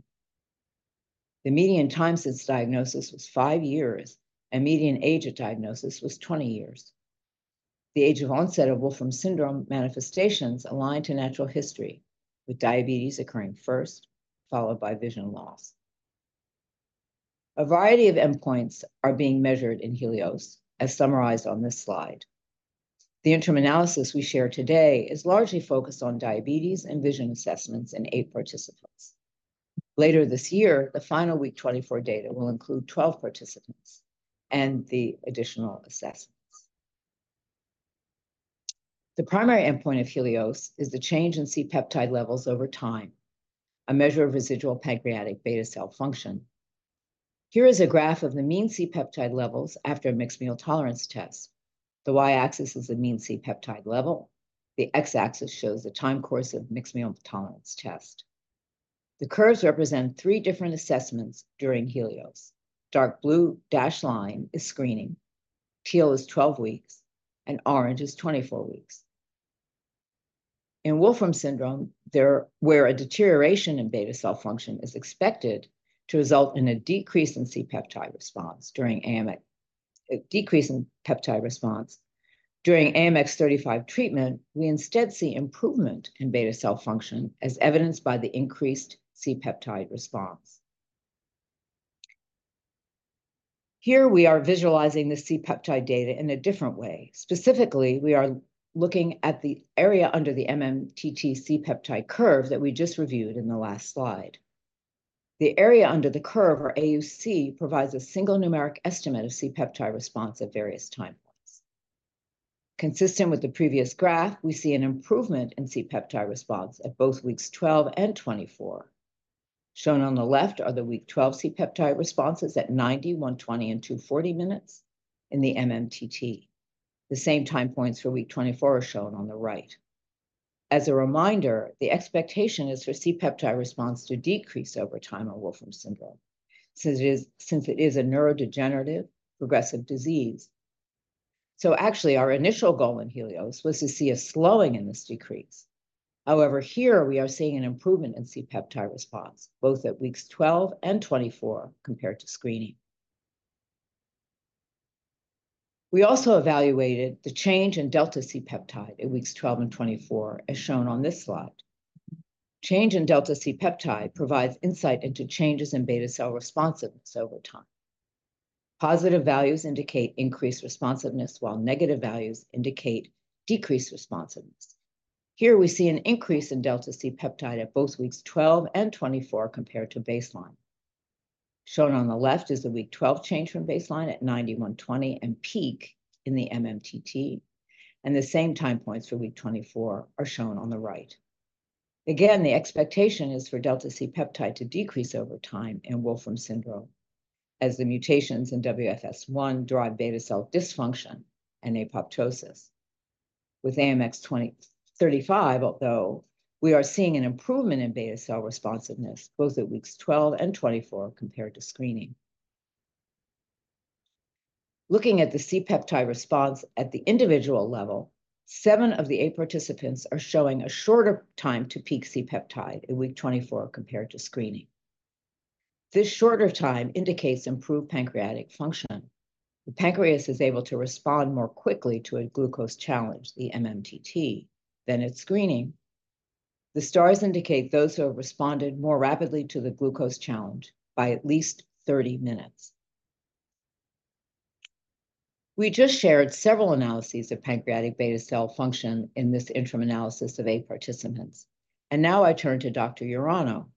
The median time since diagnosis was five years, and median age at diagnosis was 20 years. The age of onset of Wolfram syndrome manifestations align to natural history, with diabetes occurring first, followed by vision loss. A variety of endpoints are being measured in HELIOS, as summarized on this slide. The interim analysis we share today is largely focused on diabetes and vision assessments in eight participants. Later this year, the final week 24 data will include 12 participants and the additional assessments. The primary endpoint of HELIOS is the change in C-peptide levels over time, a measure of residual pancreatic beta cell function. Here is a graph of the mean C-peptide levels after a mixed meal tolerance test. The y-axis is the mean C-peptide level. The x-axis shows the time course of mixed meal tolerance test. The curves represent three different assessments during HELIOS. Dark blue dashed line is screening, teal is 12 weeks, and orange is 24 weeks. In Wolfram syndrome, where a deterioration in beta cell function is expected to result in a decrease in C-peptide response during AMX0035 treatment. During AMX0035 treatment, we instead see improvement in beta cell function, as evidenced by the increased C-peptide response. Here, we are visualizing the C-peptide data in a different way. Specifically, we are looking at the area under the MMTT C-peptide curve that we just reviewed in the last slide. The area under the curve, or AUC, provides a single numeric estimate of C-peptide response at various time points. Consistent with the previous graph, we see an improvement in C-peptide response at both weeks 12 and 24. Shown on the left are the week 12 C-peptide responses at 90, 120, and 240 minutes in the MMTT. The same time points for week 24 are shown on the right. As a reminder, the expectation is for C-peptide response to decrease over time on Wolfram syndrome, since it is, since it is a neurodegenerative progressive disease. So actually, our initial goal in HELIOS was to see a slowing in this decrease. However, here we are seeing an improvement in C-peptide response, both at weeks 12 and 24, compared to screening. We also evaluated the change in delta C-peptide at weeks 12 and 24, as shown on this slide. Change in delta C-peptide provides insight into changes in beta cell responsiveness over time. Positive values indicate increased responsiveness, while negative values indicate decreased responsiveness. Here, we see an increase in delta C-peptide at both weeks 12 and 24, compared to baseline. Shown on the left is the week 12 change from baseline at 90, 120, and peak in the MMTT, and the same time points for week 24 are shown on the right. Again, the expectation is for delta C-peptide to decrease over time in Wolfram syndrome, as the mutations in WFS1 drive beta cell dysfunction and apoptosis with AMX0035, although we are seeing an improvement in beta cell responsiveness, both at weeks 12 and 24, compared to screening. Looking at the C-peptide response at the individual level, seven of the eight participants are showing a shorter time to peak C-peptide at week 24, compared to screening. This shorter time indicates improved pancreatic function. The pancreas is able to respond more quickly to a glucose challenge, the MMTT, than at screening. The stars indicate those who have responded more rapidly to the glucose challenge by at least 30 minutes. We just shared several analyses of pancreatic beta cell function in this interim analysis of eight participants, and now I turn to Dr. Urano.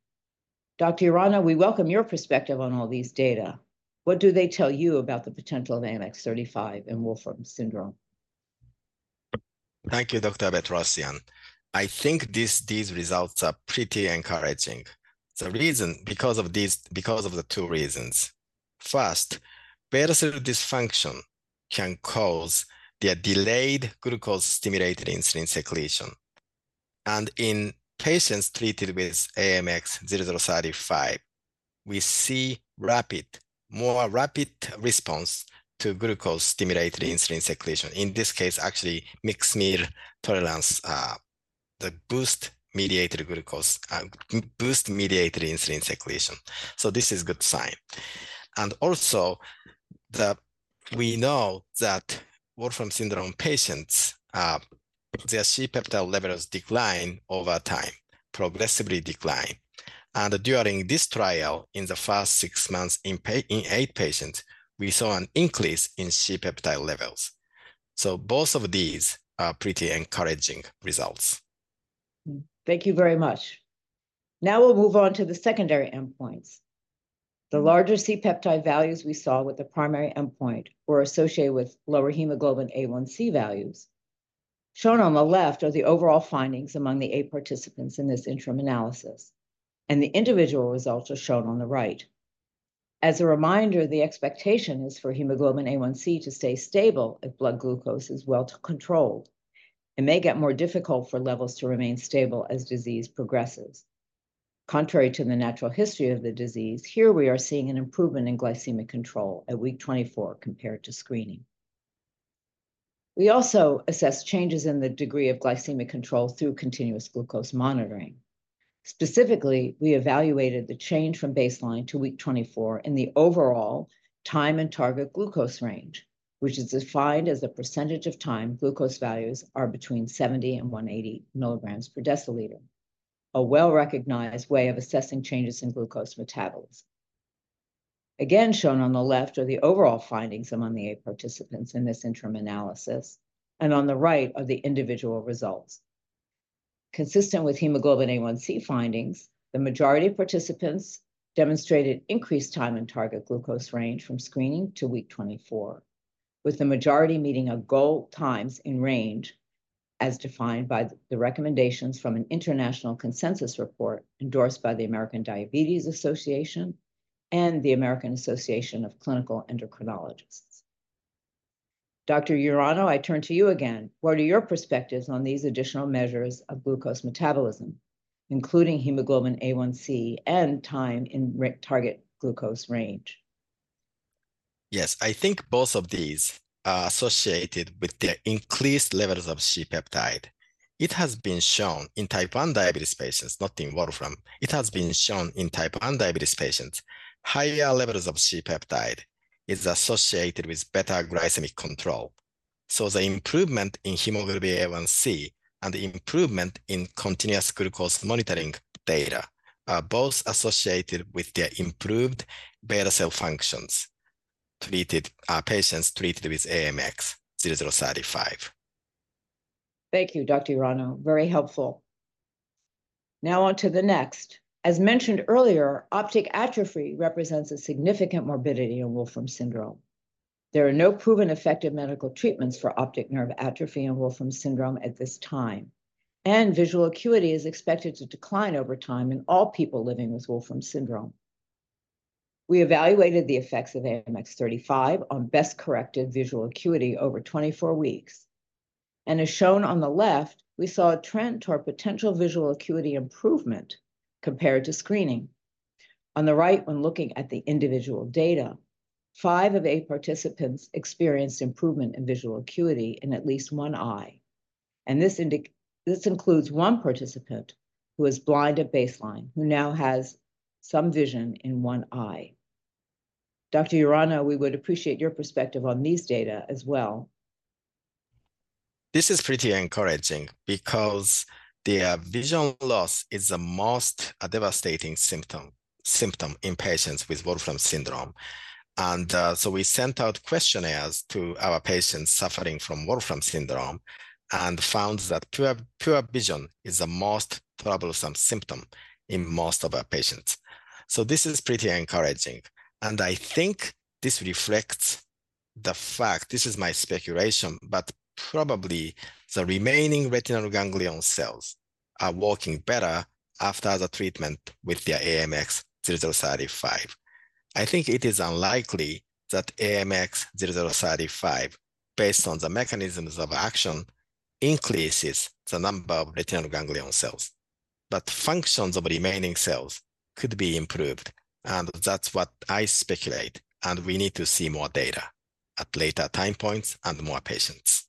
Dr. Urano, we welcome your perspective on all these data. What do they tell you about the potential of AMX0035 in Wolfram syndrome? Thank you, Dr. Bedrosian. I think this, these results are pretty encouraging. The reason, because of the two reasons. First, beta cell dysfunction can cause the delayed glucose-stimulated insulin secretion, and in patients treated with AMX0035, we see rapid, more rapid response to glucose-stimulated insulin secretion. In this case, actually, mixed meal tolerance, the Boost-mediated glucose, and Boost-mediated insulin secretion. So this is good sign. And also, we know that Wolfram syndrome patients, their C-peptide levels decline over time, progressively decline. And during this trial, in the first six months in eight patients, we saw an increase in C-peptide levels. So both of these are pretty encouraging results. Thank you very much. Now we'll move on to the secondary endpoints. The larger C-peptide values we saw with the primary endpoint were associated with lower hemoglobin A1C values. Shown on the left are the overall findings among the eight participants in this interim analysis, and the individual results are shown on the right. As a reminder, the expectation is for hemoglobin A1C to stay stable if blood glucose is well controlled. It may get more difficult for levels to remain stable as disease progresses. Contrary to the natural history of the disease, here we are seeing an improvement in glycemic control at week 24, compared to screening. We also assessed changes in the degree of glycemic control through continuous glucose monitoring. Specifically, we evaluated the change from baseline to week 22 in the overall time and target glucose range, which is defined as the percentage of time glucose values are between 70 and 180 milligrams per deciliter, a well-recognized way of assessing changes in glucose metabolism. Again, shown on the left are the overall findings among the eight participants in this interim analysis, and on the right are the individual results. Consistent with hemoglobin A1C findings, the majority of participants demonstrated increased time and target glucose range from screening to week 24, with the majority meeting of goal times in range, as defined by the recommendations from an international consensus report endorsed by the American Diabetes Association and the American Association of Clinical Endocrinologists. Dr. Urano, I turn to you again. What are your perspectives on these additional measures of glucose metabolism, including hemoglobin A1C and time in range, target glucose range? Yes, I think both of these are associated with the increased levels of C-peptide. It has been shown in Type 1 diabetes patients, not in Wolfram, it has been shown in Type 1 diabetes patients, higher levels of C-peptide is associated with better glycemic control. So the improvement in hemoglobin A1C and the improvement in continuous glucose monitoring data are both associated with the improved beta cell functions, treated, patients treated with AMX0035. Thank you, Dr. Urano. Very helpful. Now on to the next. As mentioned earlier, optic atrophy represents a significant morbidity in Wolfram syndrome. There are no proven effective medical treatments for optic nerve atrophy in Wolfram syndrome at this time, and visual acuity is expected to decline over time in all people living with Wolfram syndrome. We evaluated the effects of AMX0035 on best-corrected visual acuity over 24 weeks, and as shown on the left, we saw a trend toward potential visual acuity improvement compared to screening. On the right, when looking at the individual data, five of eight participants experienced improvement in visual acuity in at least one eye, and this includes one participant who was blind at baseline, who now has some vision in one eye. Dr. Urano, we would appreciate your perspective on these data as well. This is pretty encouraging because the vision loss is the most devastating symptom in patients with Wolfram syndrome. And so we sent out questionnaires to our patients suffering from Wolfram syndrome and found that poor vision is the most troublesome symptom in most of our patients. So this is pretty encouraging, and I think this reflects the fact, this is my speculation, but probably the remaining retinal ganglion cells are working better after the treatment with the AMX0035. I think it is unlikely that AMX0035, based on the mechanisms of action, increases the number of retinal ganglion cells, but functions of remaining cells could be improved, and that's what I speculate. And we need to see more data at later time points and more patients.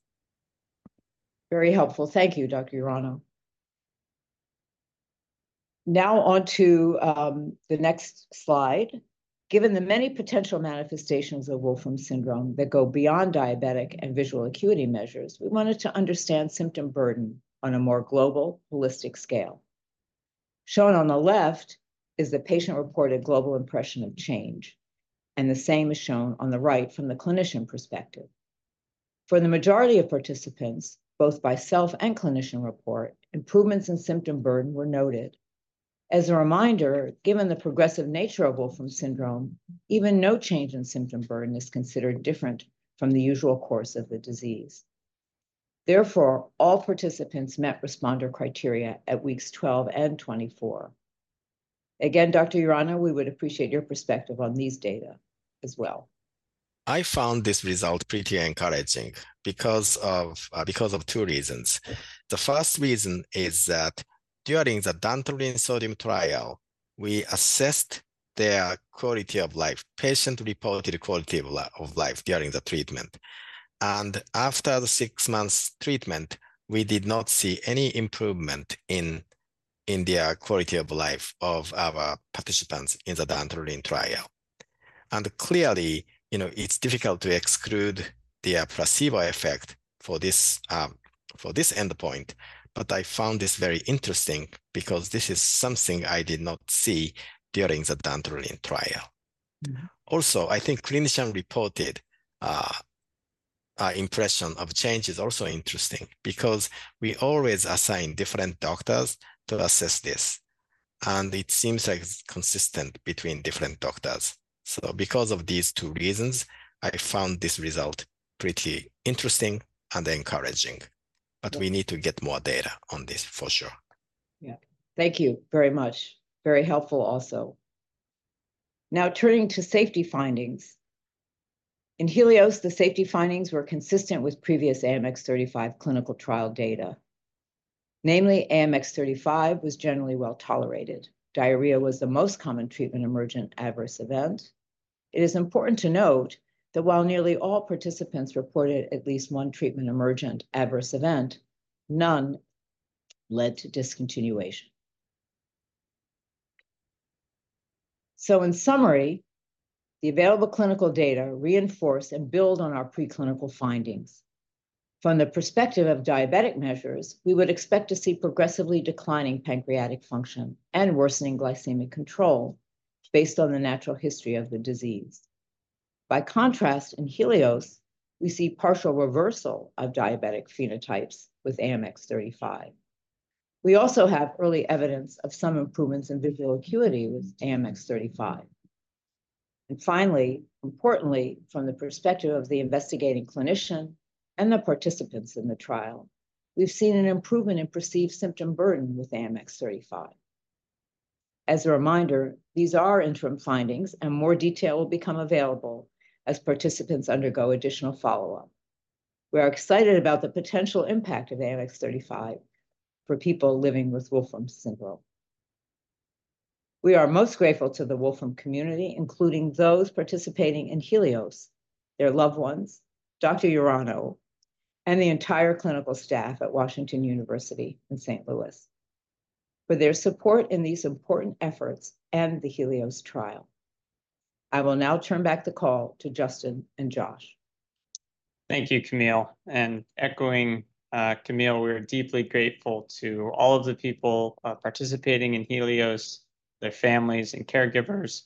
Very helpful. Thank you, Dr. Urano. Now on to the next slide. Given the many potential manifestations of Wolfram syndrome that go beyond diabetic and visual acuity measures, we wanted to understand symptom burden on a more global, holistic scale. Shown on the left is the patient-reported global impression of change, and the same is shown on the right from the clinician perspective. For the majority of participants, both by self and clinician report, improvements in symptom burden were noted. As a reminder, given the progressive nature of Wolfram syndrome, even no change in symptom burden is considered different from the usual course of the disease. Therefore, all participants met responder criteria at weeks 12 and 24. Again, Dr. Urano, we would appreciate your perspective on these data as well. I found this result pretty encouraging because of two reasons. The first reason is that during the dantrolene sodium trial, we assessed their quality of life, patient-reported quality of life during the treatment. After the 6 months treatment, we did not see any improvement in their quality of life of our participants in the dantrolene trial. Clearly, you know, it's difficult to exclude the placebo effect for this endpoint, but I found this very interesting because this is something I did not see during the dantrolene trial. Also, I think clinician-reported impression of change is also interesting, because we always assign different doctors to assess this, and it seems like it's consistent between different doctors. So because of these two reasons, I found this result pretty interesting and encouraging- Yeah... but we need to get more data on this for sure. Yeah. Thank you very much. Very helpful also. Now turning to safety findings. In HELIOS, the safety findings were consistent with previous AMX0035 clinical trial data. Namely, AMX0035 was generally well-tolerated. Diarrhea was the most common treatment-emergent adverse event. It is important to note that while nearly all participants reported at least one treatment-emergent adverse event, none led to discontinuation. So in summary, the available clinical data reinforce and build on our preclinical findings. From the perspective of diabetic measures, we would expect to see progressively declining pancreatic function and worsening glycemic control based on the natural history of the disease. By contrast, in HELIOS, we see partial reversal of diabetic phenotypes with AMX0035. We also have early evidence of some improvements in visual acuity with AMX0035. And finally, importantly, from the perspective of the investigating clinician and the participants in the trial, we've seen an improvement in perceived symptom burden with AMX0035. As a reminder, these are interim findings, and more detail will become available as participants undergo additional follow-up. We are excited about the potential impact of AMX0035 for people living with Wolfram syndrome. We are most grateful to the Wolfram community, including those participating in HELIOS, their loved ones, Dr. Urano, and the entire clinical staff at Washington University in St. Louis, for their support in these important efforts and the HELIOS trial. I will now turn back the call to Justin and Josh. Thank you, Camille. And echoing, Camille, we're deeply grateful to all of the people participating in HELIOS, their families and caregivers,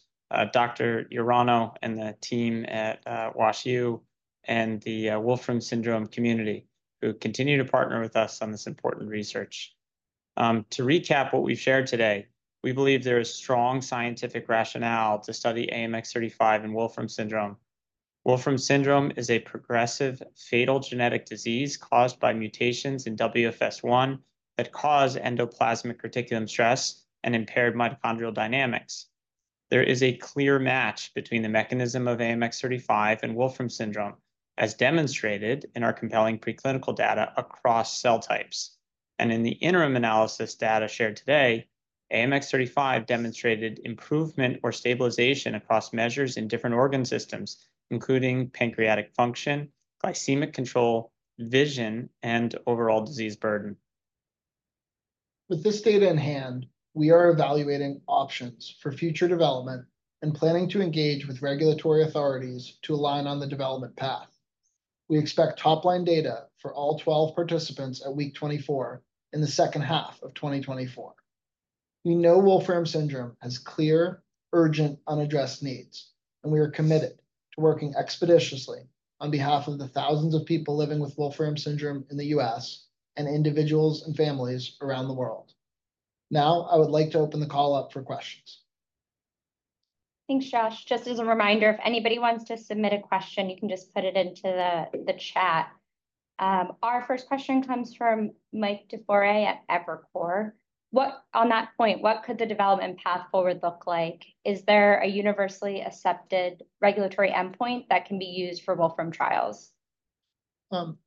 Dr. Urano and the team at WashU, and the Wolfram syndrome community, who continue to partner with us on this important research. To recap what we've shared today, we believe there is strong scientific rationale to study AMX0035 in Wolfram syndrome. Wolfram syndrome is a progressive, fatal genetic disease caused by mutations in WFS1 that cause endoplasmic reticulum stress and impaired mitochondrial dynamics. There is a clear match between the mechanism of AMX0035 and Wolfram syndrome, as demonstrated in our compelling preclinical data across cell types. And in the interim analysis data shared today, AMX0035 demonstrated improvement or stabilization across measures in different organ systems, including pancreatic function, glycemic control, vision, and overall disease burden. With this data in hand, we are evaluating options for future development and planning to engage with regulatory authorities to align on the development path. We expect top-line data for all 12 participants at week 24, in the second half of 2024. We know Wolfram syndrome has clear, urgent, unaddressed needs, and we are committed to working expeditiously on behalf of the thousands of people living with Wolfram syndrome in the U.S., and individuals and families around the world. Now, I would like to open the call up for questions. ... Thanks, Josh. Just as a reminder, if anybody wants to submit a question, you can just put it into the chat. Our first question comes from Mike DiFiore at Evercore. What-- On that point, what could the development path forward look like? Is there a universally accepted regulatory endpoint that can be used for Wolfram trials?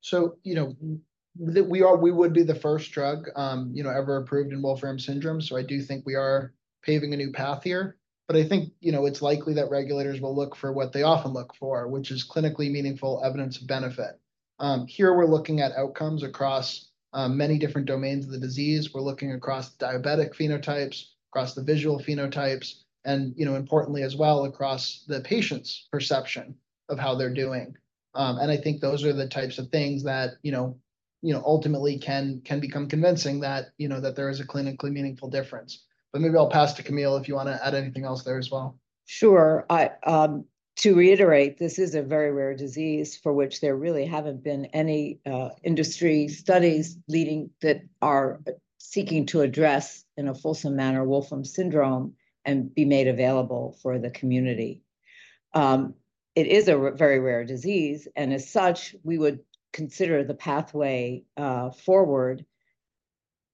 So, you know, that we are, we would be the first drug, you know, ever approved in Wolfram syndrome, so I do think we are paving a new path here. But I think, you know, it's likely that regulators will look for what they often look for, which is clinically meaningful evidence of benefit. Here we're looking at outcomes across, many different domains of the disease. We're looking across diabetic phenotypes, across the visual phenotypes, and, you know, importantly as well, across the patient's perception of how they're doing. And I think those are the types of things that, you know, you know, ultimately can, can become convincing that, you know, that there is a clinically meaningful difference. But maybe I'll pass to Camille if you wanna add anything else there as well. Sure. I to reiterate, this is a very rare disease for which there really haven't been any industry studies that are seeking to address, in a fulsome manner, Wolfram syndrome and be made available for the community. It is a very rare disease, and as such, we would consider the pathway forward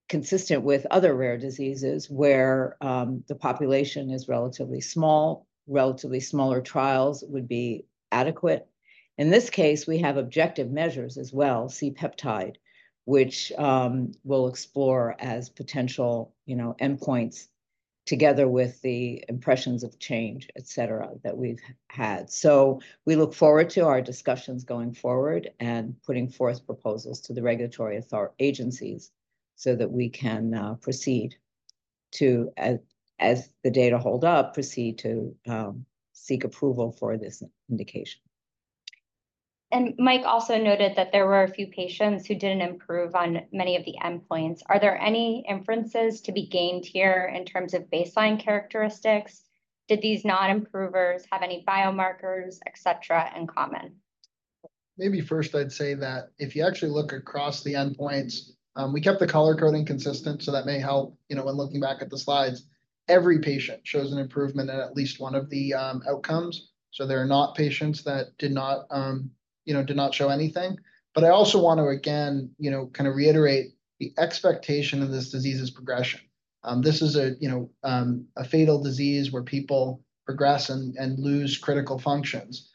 consistent with other rare diseases, where the population is relatively small, relatively smaller trials would be adequate. In this case, we have objective measures as well, C-peptide, which we'll explore as potential, you know, endpoints together with the impressions of change, et cetera, that we've had. So we look forward to our discussions going forward and putting forth proposals to the regulatory agencies, so that we can proceed to, as the data hold up, proceed to seek approval for this indication. Mike also noted that there were a few patients who didn't improve on many of the endpoints. Are there any inferences to be gained here in terms of baseline characteristics? Did these non-improvers have any biomarkers, et cetera, in common? Maybe first I'd say that if you actually look across the endpoints, we kept the color coding consistent, so that may help, you know, when looking back at the slides. Every patient shows an improvement in at least one of the outcomes, so there are not patients that did not, you know, did not show anything. But I also want to again, you know, kind of reiterate the expectation of this disease's progression. This is a, you know, a fatal disease where people progress and lose critical functions.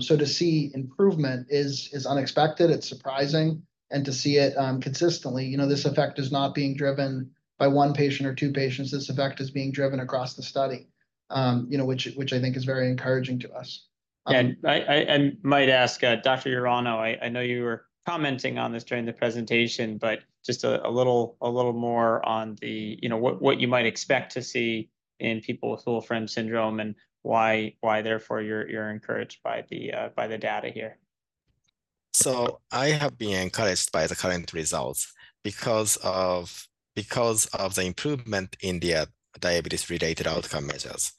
So to see improvement is unexpected, it's surprising, and to see it consistently, you know, this effect is not being driven by one patient or two patients. This effect is being driven across the study, you know, which I think is very encouraging to us. I might ask Dr. Urano. I know you were commenting on this during the presentation, but just a little more on, you know, what you might expect to see in people with Wolfram syndrome, and why therefore you're encouraged by the data here? So I have been encouraged by the current results because of the improvement in the diabetes-related outcome measures.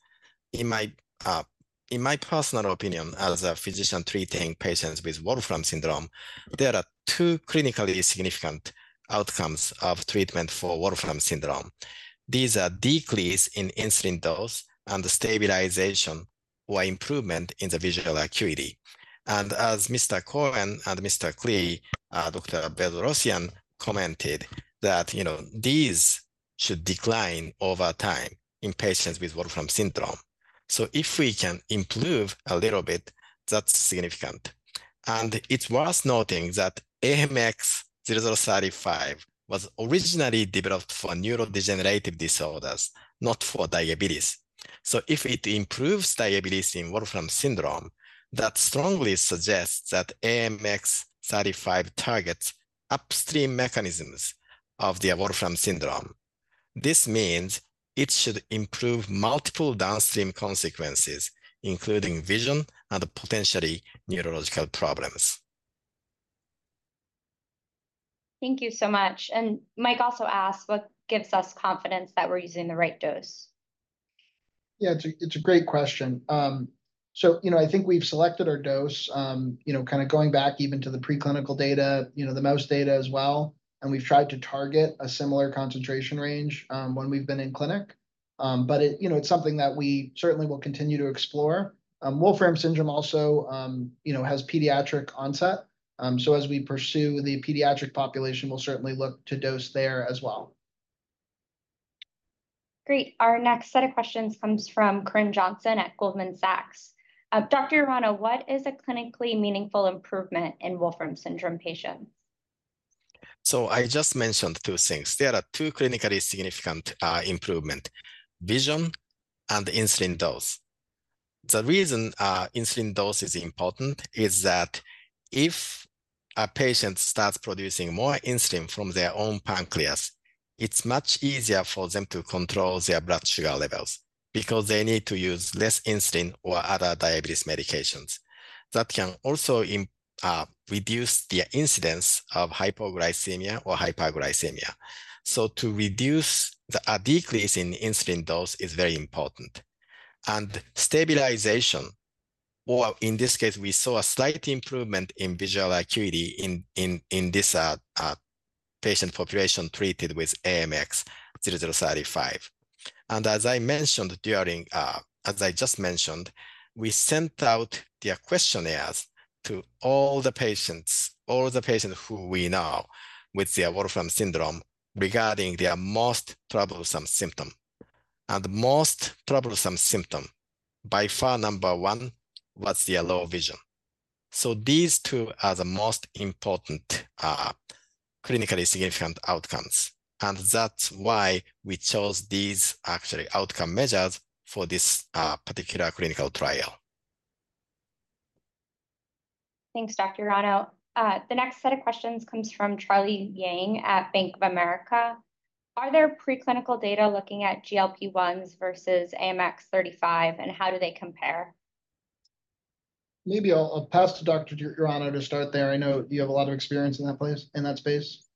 In my personal opinion, as a physician treating patients with Wolfram syndrome, there are two clinically significant outcomes of treatment for Wolfram syndrome. These are decrease in insulin dose and stabilization or improvement in the visual acuity. And as Mr. Cohen and Mr. Klee, Dr. Bedrosian commented that, you know, these should decline over time in patients with Wolfram syndrome. So if we can improve a little bit, that's significant. And it's worth noting that AMX0035 was originally developed for neurodegenerative disorders, not for diabetes. So if it improves diabetes in Wolfram syndrome, that strongly suggests that AMX0035 targets upstream mechanisms of the Wolfram syndrome. This means it should improve multiple downstream consequences, including vision and potentially neurological problems. Thank you so much. Mike also asked, "What gives us confidence that we're using the right dose? Yeah, it's a great question. So, you know, I think we've selected our dose, you know, kind of going back even to the preclinical data, you know, the mouse data as well, and we've tried to target a similar concentration range, when we've been in clinic. But it, you know, it's something that we certainly will continue to explore. Wolfram syndrome also, you know, has pediatric onset. So as we pursue the pediatric population, we'll certainly look to dose there as well. Great! Our next set of questions comes from Corinne Jenkins at Goldman Sachs. Dr. Hirano, what is a clinically meaningful improvement in Wolfram syndrome patients? So I just mentioned two things. There are two clinically significant improvement, vision and insulin dose. The reason insulin dose is important is that if a patient starts producing more insulin from their own pancreas, it's much easier for them to control their blood sugar levels because they need to use less insulin or other diabetes medications. That can also reduce the incidence of hypoglycemia or hyperglycemia. So a decrease in insulin dose is very important. Well, in this case, we saw a slight improvement in visual acuity in this patient population treated with AMX0035. And as I just mentioned, we sent out the questionnaires to all the patients who we know with Wolfram syndrome, regarding their most troublesome symptom. The most troublesome symptom, by far number one, was their low vision. So these two are the most important, clinically significant outcomes, and that's why we chose these actually outcome measures for this, particular clinical trial. Thanks, Dr. Urano. The next set of questions comes from Charlie Yang at Bank of America: Are there preclinical data looking at GLP-1s versus AMX0035, and how do they compare? Maybe I'll pass to Dr. Urano to start there. I know you have a lot of experience in that space.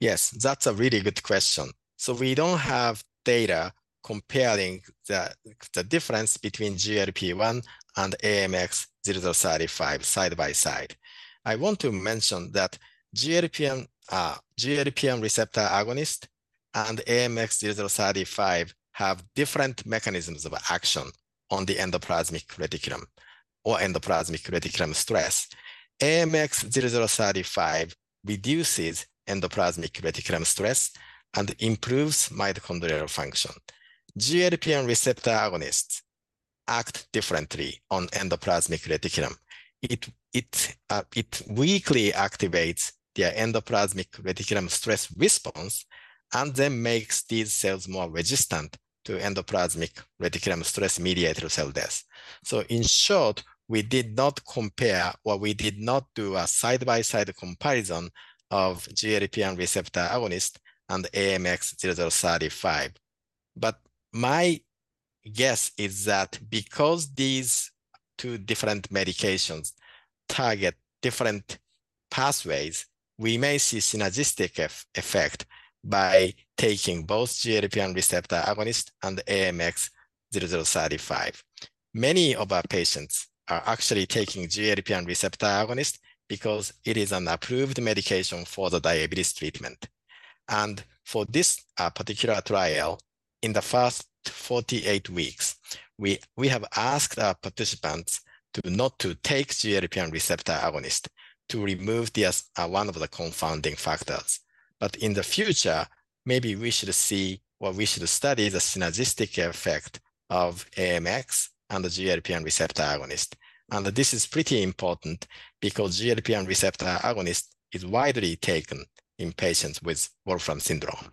Yes, that's a really good question. So we don't have data comparing the difference between GLP-1 and AMX0035 side by side. I want to mention that GLP-1, GLP-1 receptor agonist and AMX0035 have different mechanisms of action on the endoplasmic reticulum or endoplasmic reticulum stress. AMX0035 reduces endoplasmic reticulum stress and improves mitochondrial function. GLP-1 receptor agonists act differently on endoplasmic reticulum. It weakly activates the endoplasmic reticulum stress response, and then makes these cells more resistant to endoplasmic reticulum stress-mediated cell death. So in short, we did not compare, or we did not do a side-by-side comparison of GLP-1 receptor agonist and AMX0035. But my guess is that because these two different medications target different pathways, we may see synergistic effect by taking both GLP-1 receptor agonist and AMX0035. Many of our patients are actually taking GLP-1 receptor agonist because it is an approved medication for the diabetes treatment. For this particular trial, in the first 48 weeks, we have asked our participants to not take GLP-1 receptor agonist to remove this one of the confounding factors. In the future, maybe we should see, or we should study the synergistic effect of AMX and the GLP-1 receptor agonist. This is pretty important because GLP-1 receptor agonist is widely taken in patients with Wolfram syndrome.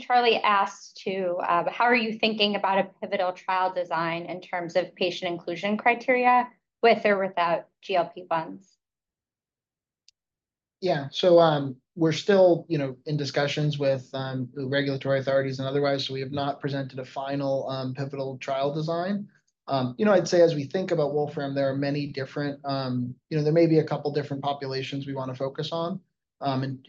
Charlie asked, too: How are you thinking about a pivotal trial design in terms of patient inclusion criteria, with or without GLP-1s? Yeah. So, we're still, you know, in discussions with the regulatory authorities and otherwise, so we have not presented a final pivotal trial design. You know, I'd say as we think about Wolfram, there are many different... You know, there may be a couple different populations we wanna focus on,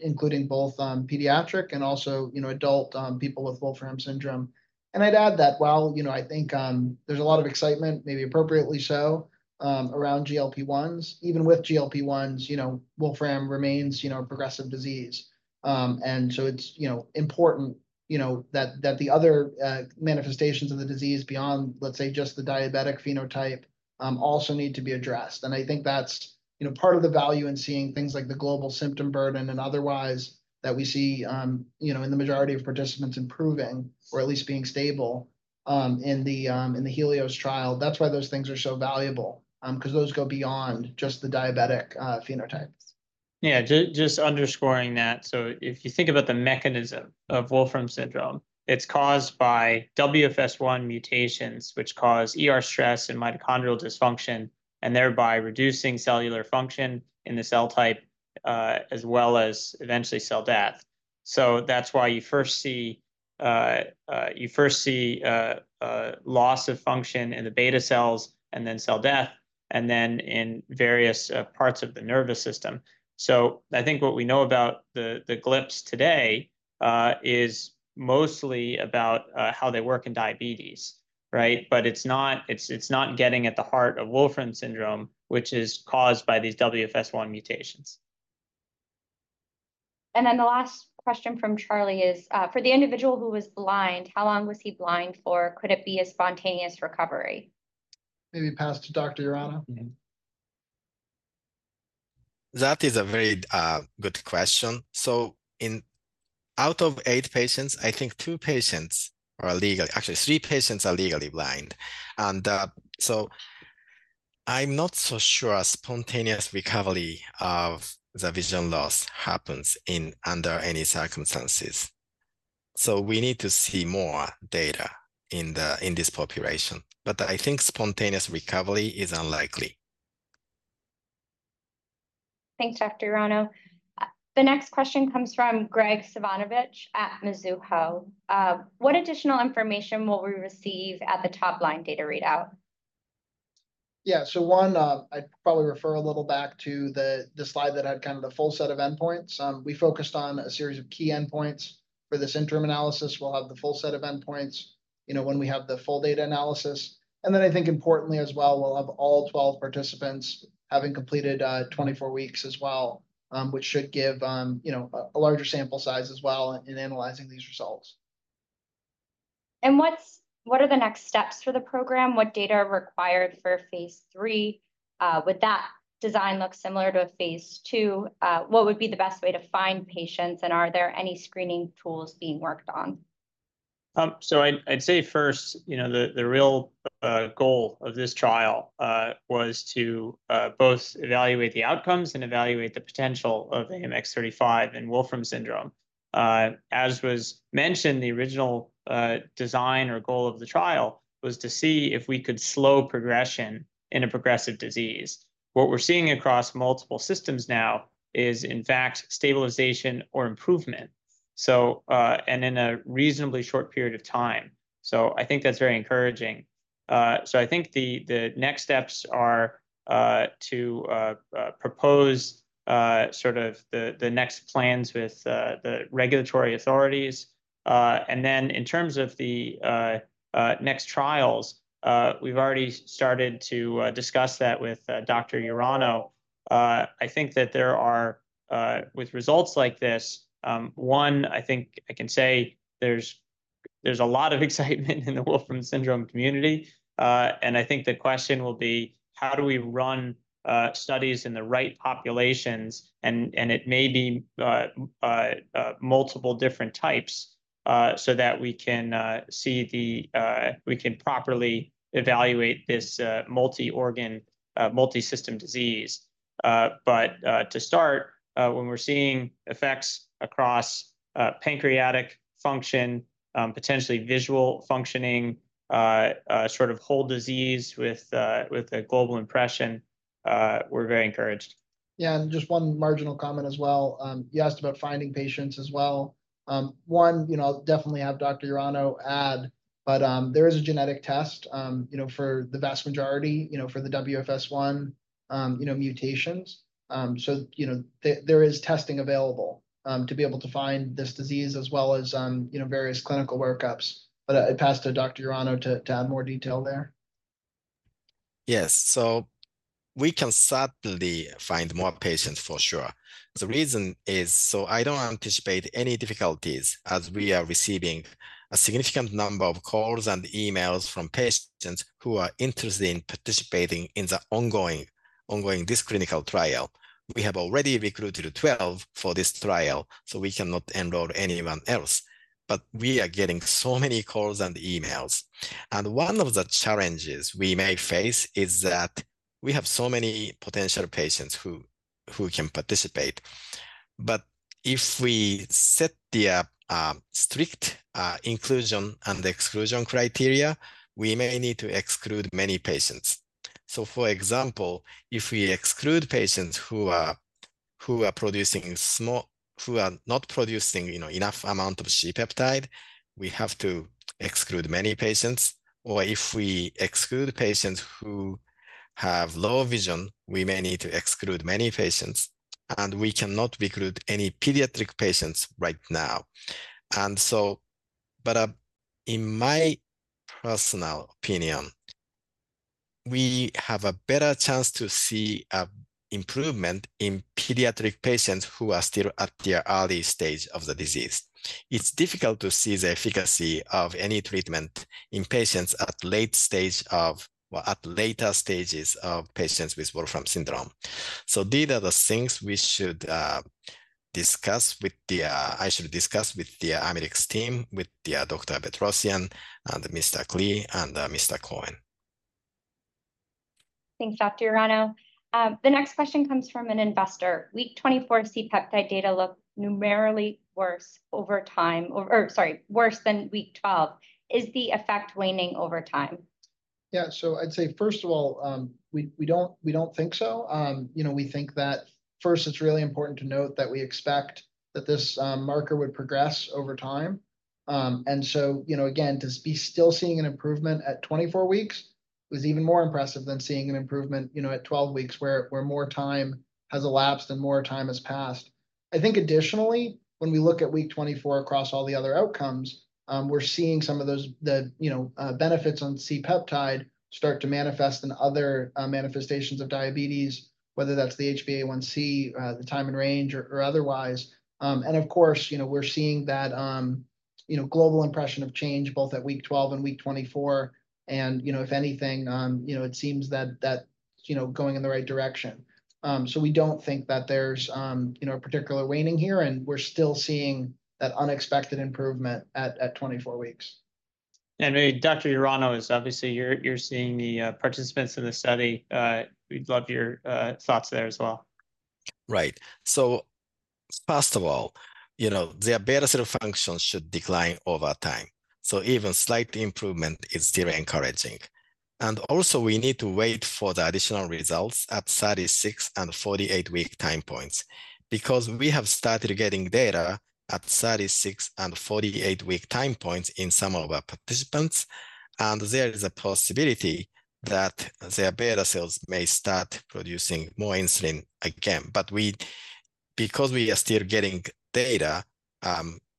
including both pediatric and also, you know, adult people with Wolfram syndrome. And I'd add that while, you know, I think, there's a lot of excitement, maybe appropriately so, around GLP-1s, even with GLP-1s, you know, Wolfram remains, you know, a progressive disease. And so it's, you know, important, you know, that the other manifestations of the disease beyond, let's say, just the diabetic phenotype also need to be addressed. I think that's, you know, part of the value in seeing things like the global symptom burden and otherwise, that we see, you know, in the majority of participants improving, or at least being stable, in the HELIOS trial. That's why those things are so valuable, 'cause those go beyond just the diabetic phenotypes. Yeah, just underscoring that. So if you think about the mechanism of Wolfram syndrome, it's caused by WFS1 mutations, which cause ER stress and mitochondrial dysfunction, and thereby reducing cellular function in the cell type, as well as eventually cell death. So that's why you first see loss of function in the beta cells, and then cell death, and then in various parts of the nervous system. So I think what we know about the GLPs today is mostly about how they work in diabetes, right? But it's not getting at the heart of Wolfram syndrome, which is caused by these WFS1 mutations. And then the last question from Charlie is: For the individual who was blind, how long was he blind for? Could it be a spontaneous recovery? Maybe pass to Dr. Urano. That is a very good question. So out of 8 patients, I think two patients are legally... Actually, three patients are legally blind. And so I'm not so sure a spontaneous recovery of the vision loss happens under any circumstances, so we need to see more data in this population. But I think spontaneous recovery is unlikely. Thanks, Dr. Urano. The next question comes from Graig Suvannavejh at Mizuho: What additional information will we receive at the top-line data readout?... Yeah, so one, I'd probably refer a little back to the slide that had kind of the full set of endpoints. We focused on a series of key endpoints for this interim analysis. We'll have the full set of endpoints, you know, when we have the full data analysis. And then I think importantly as well, we'll have all 12 participants having completed 24 weeks as well, which should give, you know, a larger sample size as well in analyzing these results. What are the next steps for the program? What data are required for phase III? Would that design look similar to a phase II? What would be the best way to find patients, and are there any screening tools being worked on? So I'd say first, you know, the real goal of this trial was to both evaluate the outcomes and evaluate the potential of AMX0035 in Wolfram syndrome. As was mentioned, the original design or goal of the trial was to see if we could slow progression in a progressive disease. What we're seeing across multiple systems now is, in fact, stabilization or improvement, so, and in a reasonably short period of time. So I think that's very encouraging. So I think the next steps are to propose sort of the next plans with the regulatory authorities. And then in terms of the next trials, we've already started to discuss that with Dr. Urano. I think that there are... With results like this, I think I can say there's a lot of excitement in the Wolfram syndrome community. And I think the question will be: how do we run studies in the right populations? And it may be multiple different types, so that we can see, we can properly evaluate this multi-organ multisystem disease. But to start, when we're seeing effects across pancreatic function, potentially visual functioning, sort of whole disease with a global impression, we're very encouraged. Yeah, and just one marginal comment as well. You asked about finding patients as well. One, you know, I'll definitely have Dr. Urano add, but, there is a genetic test, you know, for the vast majority, you know, for the WFS1, you know, mutations. So, you know, there, there is testing available, to be able to find this disease as well as, you know, various clinical workups. But I, I pass to Dr. Urano to, to add more detail there. Yes. So we can certainly find more patients for sure. The reason is, so I don't anticipate any difficulties, as we are receiving a significant number of calls and emails from patients who are interested in participating in the ongoing this clinical trial. We have already recruited 12 for this trial, so we cannot enroll anyone else. But we are getting so many calls and emails. And one of the challenges we may face is that we have so many potential patients who can participate. But if we set the strict inclusion and exclusion criteria, we may need to exclude many patients. So for example, if we exclude patients who are not producing, you know, enough amount of C-peptide, we have to exclude many patients. Or if we exclude patients who have low vision, we may need to exclude many patients, and we cannot recruit any pediatric patients right now. And so, in my personal opinion, we have a better chance to see a improvement in pediatric patients who are still at the early stage of the disease. It's difficult to see the efficacy of any treatment in patients at late stage of... Well, at later stages of patients with Wolfram syndrome. So these are the things we should discuss with the-- I should discuss with the Amylyx team, with the, Dr. Bedrosian and Mr. Klee and, Mr. Cohen. Thanks, Dr. Urano. The next question comes from an investor. Week 24 C-peptide data looked numerically worse over time, or, sorry, worse than week 12. Is the effect waning over time? Yeah. So I'd say, first of all, we don't think so. You know, we think that first, it's really important to note that we expect that this marker would progress over time. And so, you know, again, to be still seeing an improvement at 24 weeks was even more impressive than seeing an improvement, you know, at 12 weeks, where more time has elapsed and more time has passed. I think additionally, when we look at week 24 across all the other outcomes, we're seeing some of those, the, you know, benefits on C-peptide start to manifest in other manifestations of diabetes, whether that's the HbA1c, the time and range or otherwise. And of course, you know, we're seeing that, you know, global impression of change both at week 12 and week 24. You know, if anything, you know, it seems that you know, going in the right direction. So we don't think that there's you know, a particular waning here, and we're still seeing that unexpected improvement at 24 weeks. Dr. Urano is, obviously, you're seeing the participants in the study. We'd love your thoughts there as well. Right. So first of all, you know, their beta cell functions should decline over time, so even slight improvement is still encouraging. And also, we need to wait for the additional results at 36- and 48-week time points, because we have started getting data at 36- and 48-week time points in some of our participants, and there is a possibility that their beta cells may start producing more insulin again. But because we are still getting data,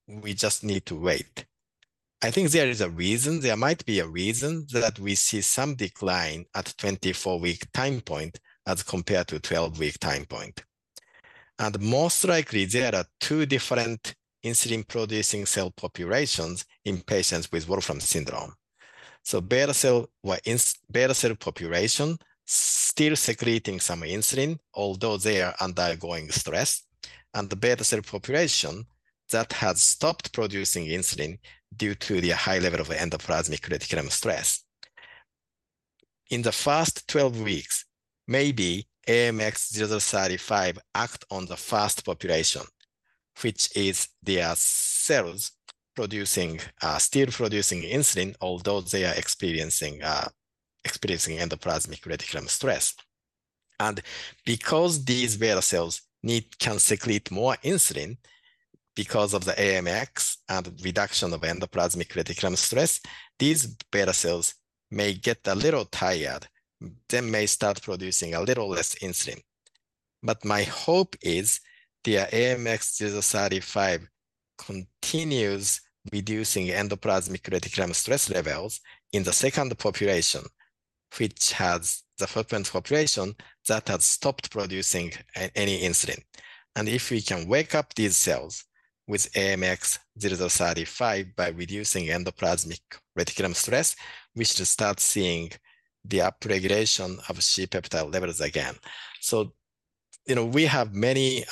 we just need to wait. I think there is a reason, there might be a reason that we see some decline at the 24-week time point as compared to 12-week time point. And most likely, there are two different insulin-producing cell populations in patients with Wolfram syndrome. So beta cell, where beta cell population still secreting some insulin, although they are undergoing stress, and the beta cell population that has stopped producing insulin due to the high level of endoplasmic reticulum stress. In the first 12 weeks, maybe AMX0035 act on the first population, which is their cells producing, still producing insulin, although they are experiencing, experiencing endoplasmic reticulum stress. And because these beta cells need, can secrete more insulin because of the AMX and reduction of endoplasmic reticulum stress, these beta cells may get a little tired, then may start producing a little less insulin. But my hope is the AMX0035 continues reducing endoplasmic reticulum stress levels in the second population, which has the frequent population that has stopped producing any insulin. If we can wake up these cells with AMX0035 by reducing endoplasmic reticulum stress, we should start seeing the upregulation of C-peptide levels again. So, you know, we have many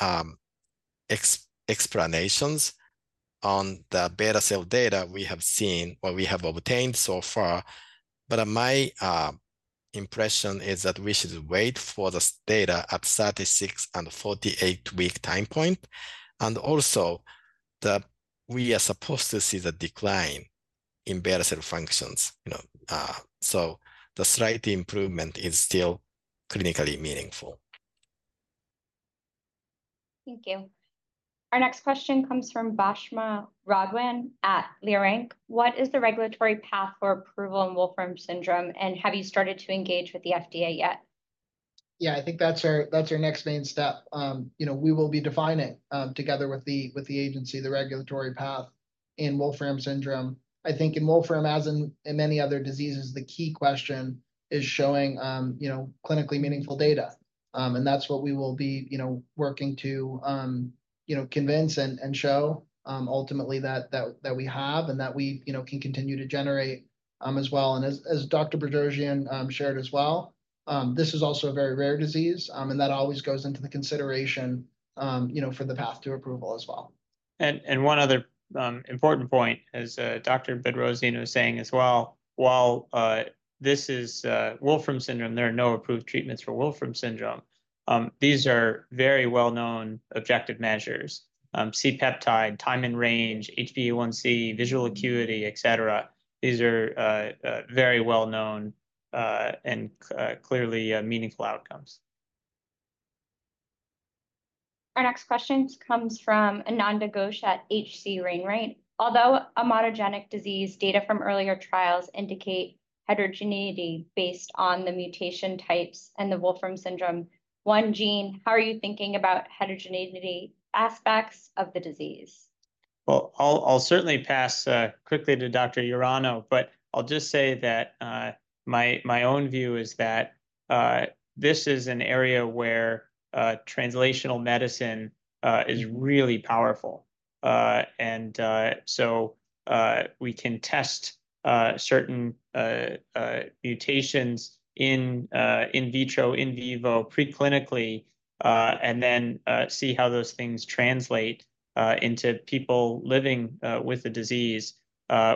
explanations on the beta cell data we have seen, what we have obtained so far, but my impression is that we should wait for this data at 36- and 48-week time point. Also, we are supposed to see the decline in beta cell functions, you know, so the slight improvement is still clinically meaningful. Thank you. Our next question comes from Basma Radwan at Leerink What is the regulatory path for approval in Wolfram syndrome, and have you started to engage with the FDA yet? Yeah, I think that's our, that's our next main step. You know, we will be defining, together with the, with the agency, the regulatory path in Wolfram syndrome. I think in Wolfram, as in, in many other diseases, the key question is showing, you know, clinically meaningful data. And that's what we will be, you know, working to, you know, convince and, and show, ultimately that, that, that we have, and that we, you know, can continue to generate, as well. And as, as Dr. Bedrosian, shared as well, this is also a very rare disease, and that always goes into the consideration, you know, for the path to approval as well. One other important point, as Dr. Bedrosian was saying as well, while this is Wolfram syndrome, there are no approved treatments for Wolfram syndrome. These are very well-known objective measures. C-peptide, time and range, HbA1c, visual acuity, et cetera. These are very well-known and clearly meaningful outcomes. Our next question comes from Ananda Ghosh at HC Wainwright: Although a monogenic disease, data from earlier trials indicate heterogeneity based on the mutation types and the Wolfram syndrome, one gene, how are you thinking about heterogeneity aspects of the disease? Well, I'll certainly pass quickly to Dr. Urano, but I'll just say that my own view is that this is an area where translational medicine is really powerful. And so we can test certain mutations in vitro, in vivo, preclinically, and then see how those things translate into people living with the disease,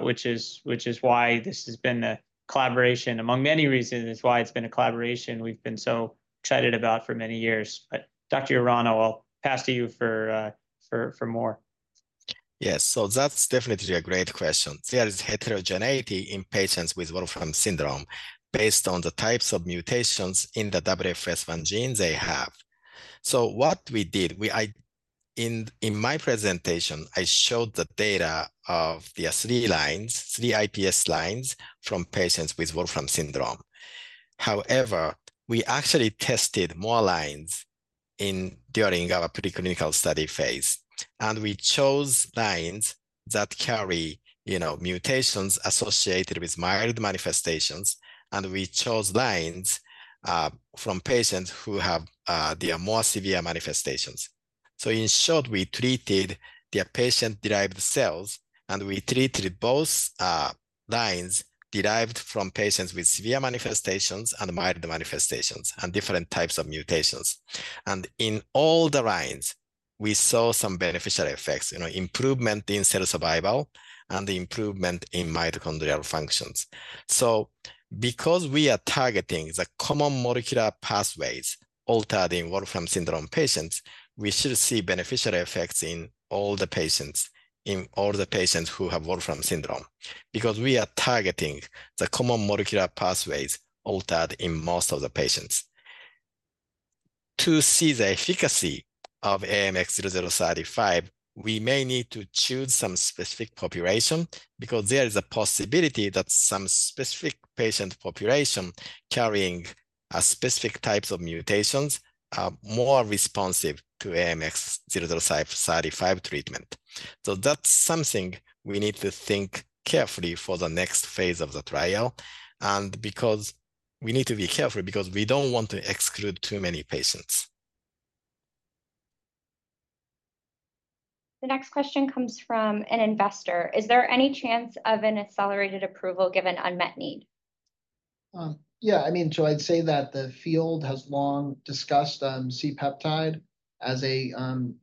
which is why this has been a collaboration. Among many reasons, it's why it's been a collaboration we've been so excited about for many years. But Dr. Urano, I'll pass to you for more. Yes, so that's definitely a great question. There is heterogeneity in patients with Wolfram syndrome based on the types of mutations in the WFS1 gene they have. So what we did, in my presentation, I showed the data of the three lines, three iPS lines from patients with Wolfram syndrome. However, we actually tested more lines during our preclinical study phase, and we chose lines that carry, you know, mutations associated with mild manifestations, and we chose lines from patients who have the more severe manifestations. So in short, we treated the patient-derived cells, and we treated both lines derived from patients with severe manifestations and mild manifestations, and different types of mutations. And in all the lines, we saw some beneficial effects, you know, improvement in cell survival and the improvement in mitochondrial functions. So because we are targeting the common molecular pathways altered in Wolfram syndrome patients, we should see beneficial effects in all the patients, in all the patients who have Wolfram syndrome, because we are targeting the common molecular pathways altered in most of the patients. To see the efficacy of AMX0035, we may need to choose some specific population because there is a possibility that some specific patient population carrying a specific types of mutations are more responsive to AMX0035 treatment. So that's something we need to think carefully for the next phase of the trial, and because we need to be careful because we don't want to exclude too many patients. The next question comes from an investor: "Is there any chance of an accelerated approval given unmet need? Yeah, I mean, so I'd say that the field has long discussed C-peptide as a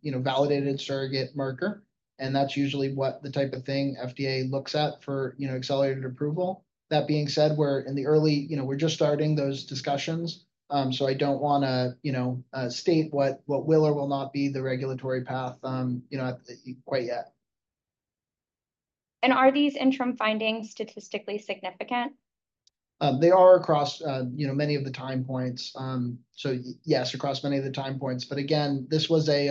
you know, validated surrogate marker, and that's usually what the type of thing FDA looks at for, you know, accelerated approval. That being said, we're in the early you know, we're just starting those discussions. So I don't wanna you know, state what will or will not be the regulatory path you know, quite yet. Are these interim findings statistically significant? They are across, you know, many of the time points. So yes, across many of the time points, but again, this was a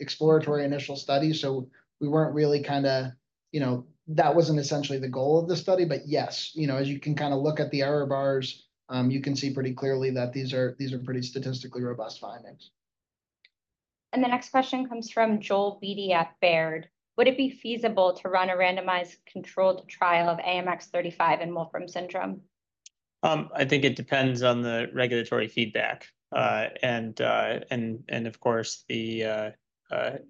exploratory initial study, so we weren't really kinda... You know, that wasn't essentially the goal of the study, but yes. You know, as you can kinda look at the error bars, you can see pretty clearly that these are, these are pretty statistically robust findings. The next question comes from Joel Beatty at Baird: "Would it be feasible to run a randomized controlled trial of AMX0035 in Wolfram syndrome? I think it depends on the regulatory feedback, and of course, the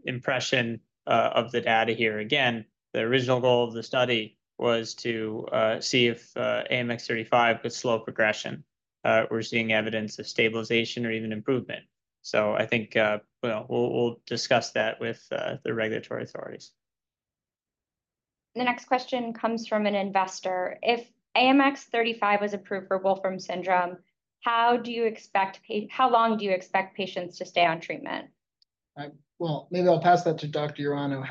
impression of the data here. Again, the original goal of the study was to see if AMX0035 could slow progression. We're seeing evidence of stabilization or even improvement. So I think, well, we'll discuss that with the regulatory authorities. The next question comes from an investor: "If AMX0035 is approved for Wolfram syndrome, how long do you expect patients to stay on treatment? Well, maybe I'll pass that to Dr. Urano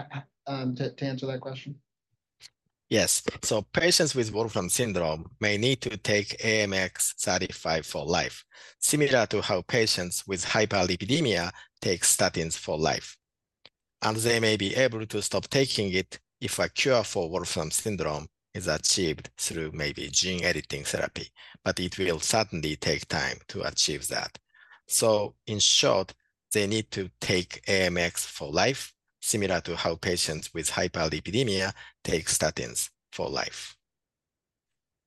to answer that question. Yes. So patients with Wolfram syndrome may need to take AMX0035 for life, similar to how patients with hyperlipidemia take statins for life, and they may be able to stop taking it if a cure for Wolfram syndrome is achieved through maybe gene editing therapy, but it will certainly take time to achieve that. So in short, they need to take AMX0035 for life, similar to how patients with hyperlipidemia take statins for life.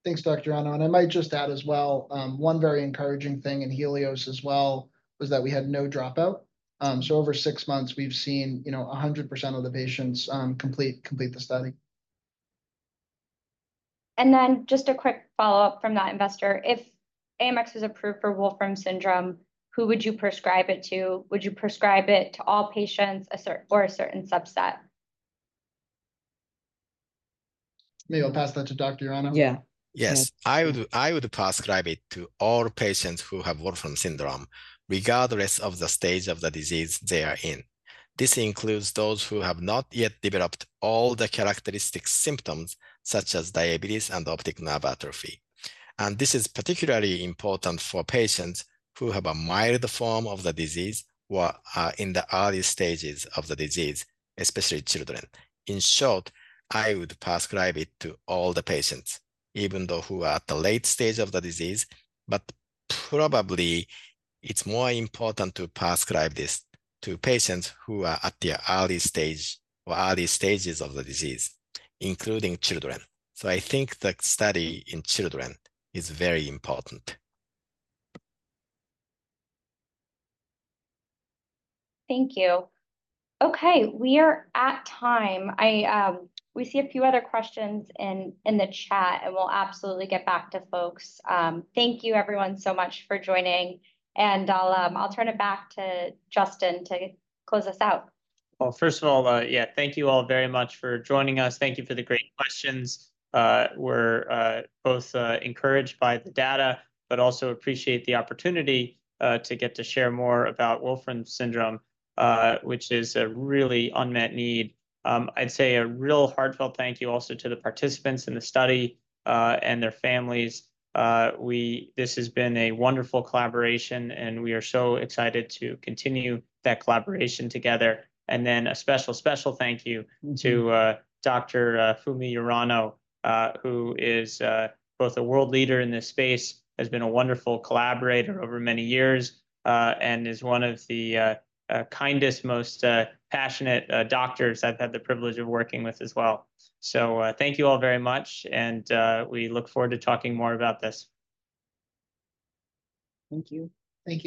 Thanks, Dr. Urano, and I might just add as well, one very encouraging thing in HELIOS as well, was that we had no dropout. So over six months, we've seen, you know, 100% of the patients complete the study. Just a quick follow-up from that investor: "If AMX is approved for Wolfram syndrome, who would you prescribe it to? Would you prescribe it to all patients, or a certain subset? Maybe I'll pass that to Dr. Urano. Yeah. Yes. I would, I would prescribe it to all patients who have Wolfram syndrome, regardless of the stage of the disease they are in. This includes those who have not yet developed all the characteristic symptoms, such as diabetes and optic nerve atrophy. This is particularly important for patients who have a mild form of the disease or are in the early stages of the disease, especially children. In short, I would prescribe it to all the patients, even though who are at the late stage of the disease, but probably it's more important to prescribe this to patients who are at the early stage or early stages of the disease, including children. I think the study in children is very important. Thank you. Okay, we are at time. I... We see a few other questions in the chat, and we'll absolutely get back to folks. Thank you, everyone, so much for joining, and I'll turn it back to Justin to close us out. Well, first of all, yeah, thank you all very much for joining us. Thank you for the great questions. We're both encouraged by the data, but also appreciate the opportunity to get to share more about Wolfram syndrome, which is a really unmet need. I'd say a real heartfelt thank you also to the participants in the study and their families. This has been a wonderful collaboration, and we are so excited to continue that collaboration together. And then a special, special thank you to Dr. Fumihiko Urano, who is both a world leader in this space, has been a wonderful collaborator over many years, and is one of the kindest, most passionate doctors I've had the privilege of working with as well. Thank you all very much, and we look forward to talking more about this. Thank you. Thank you.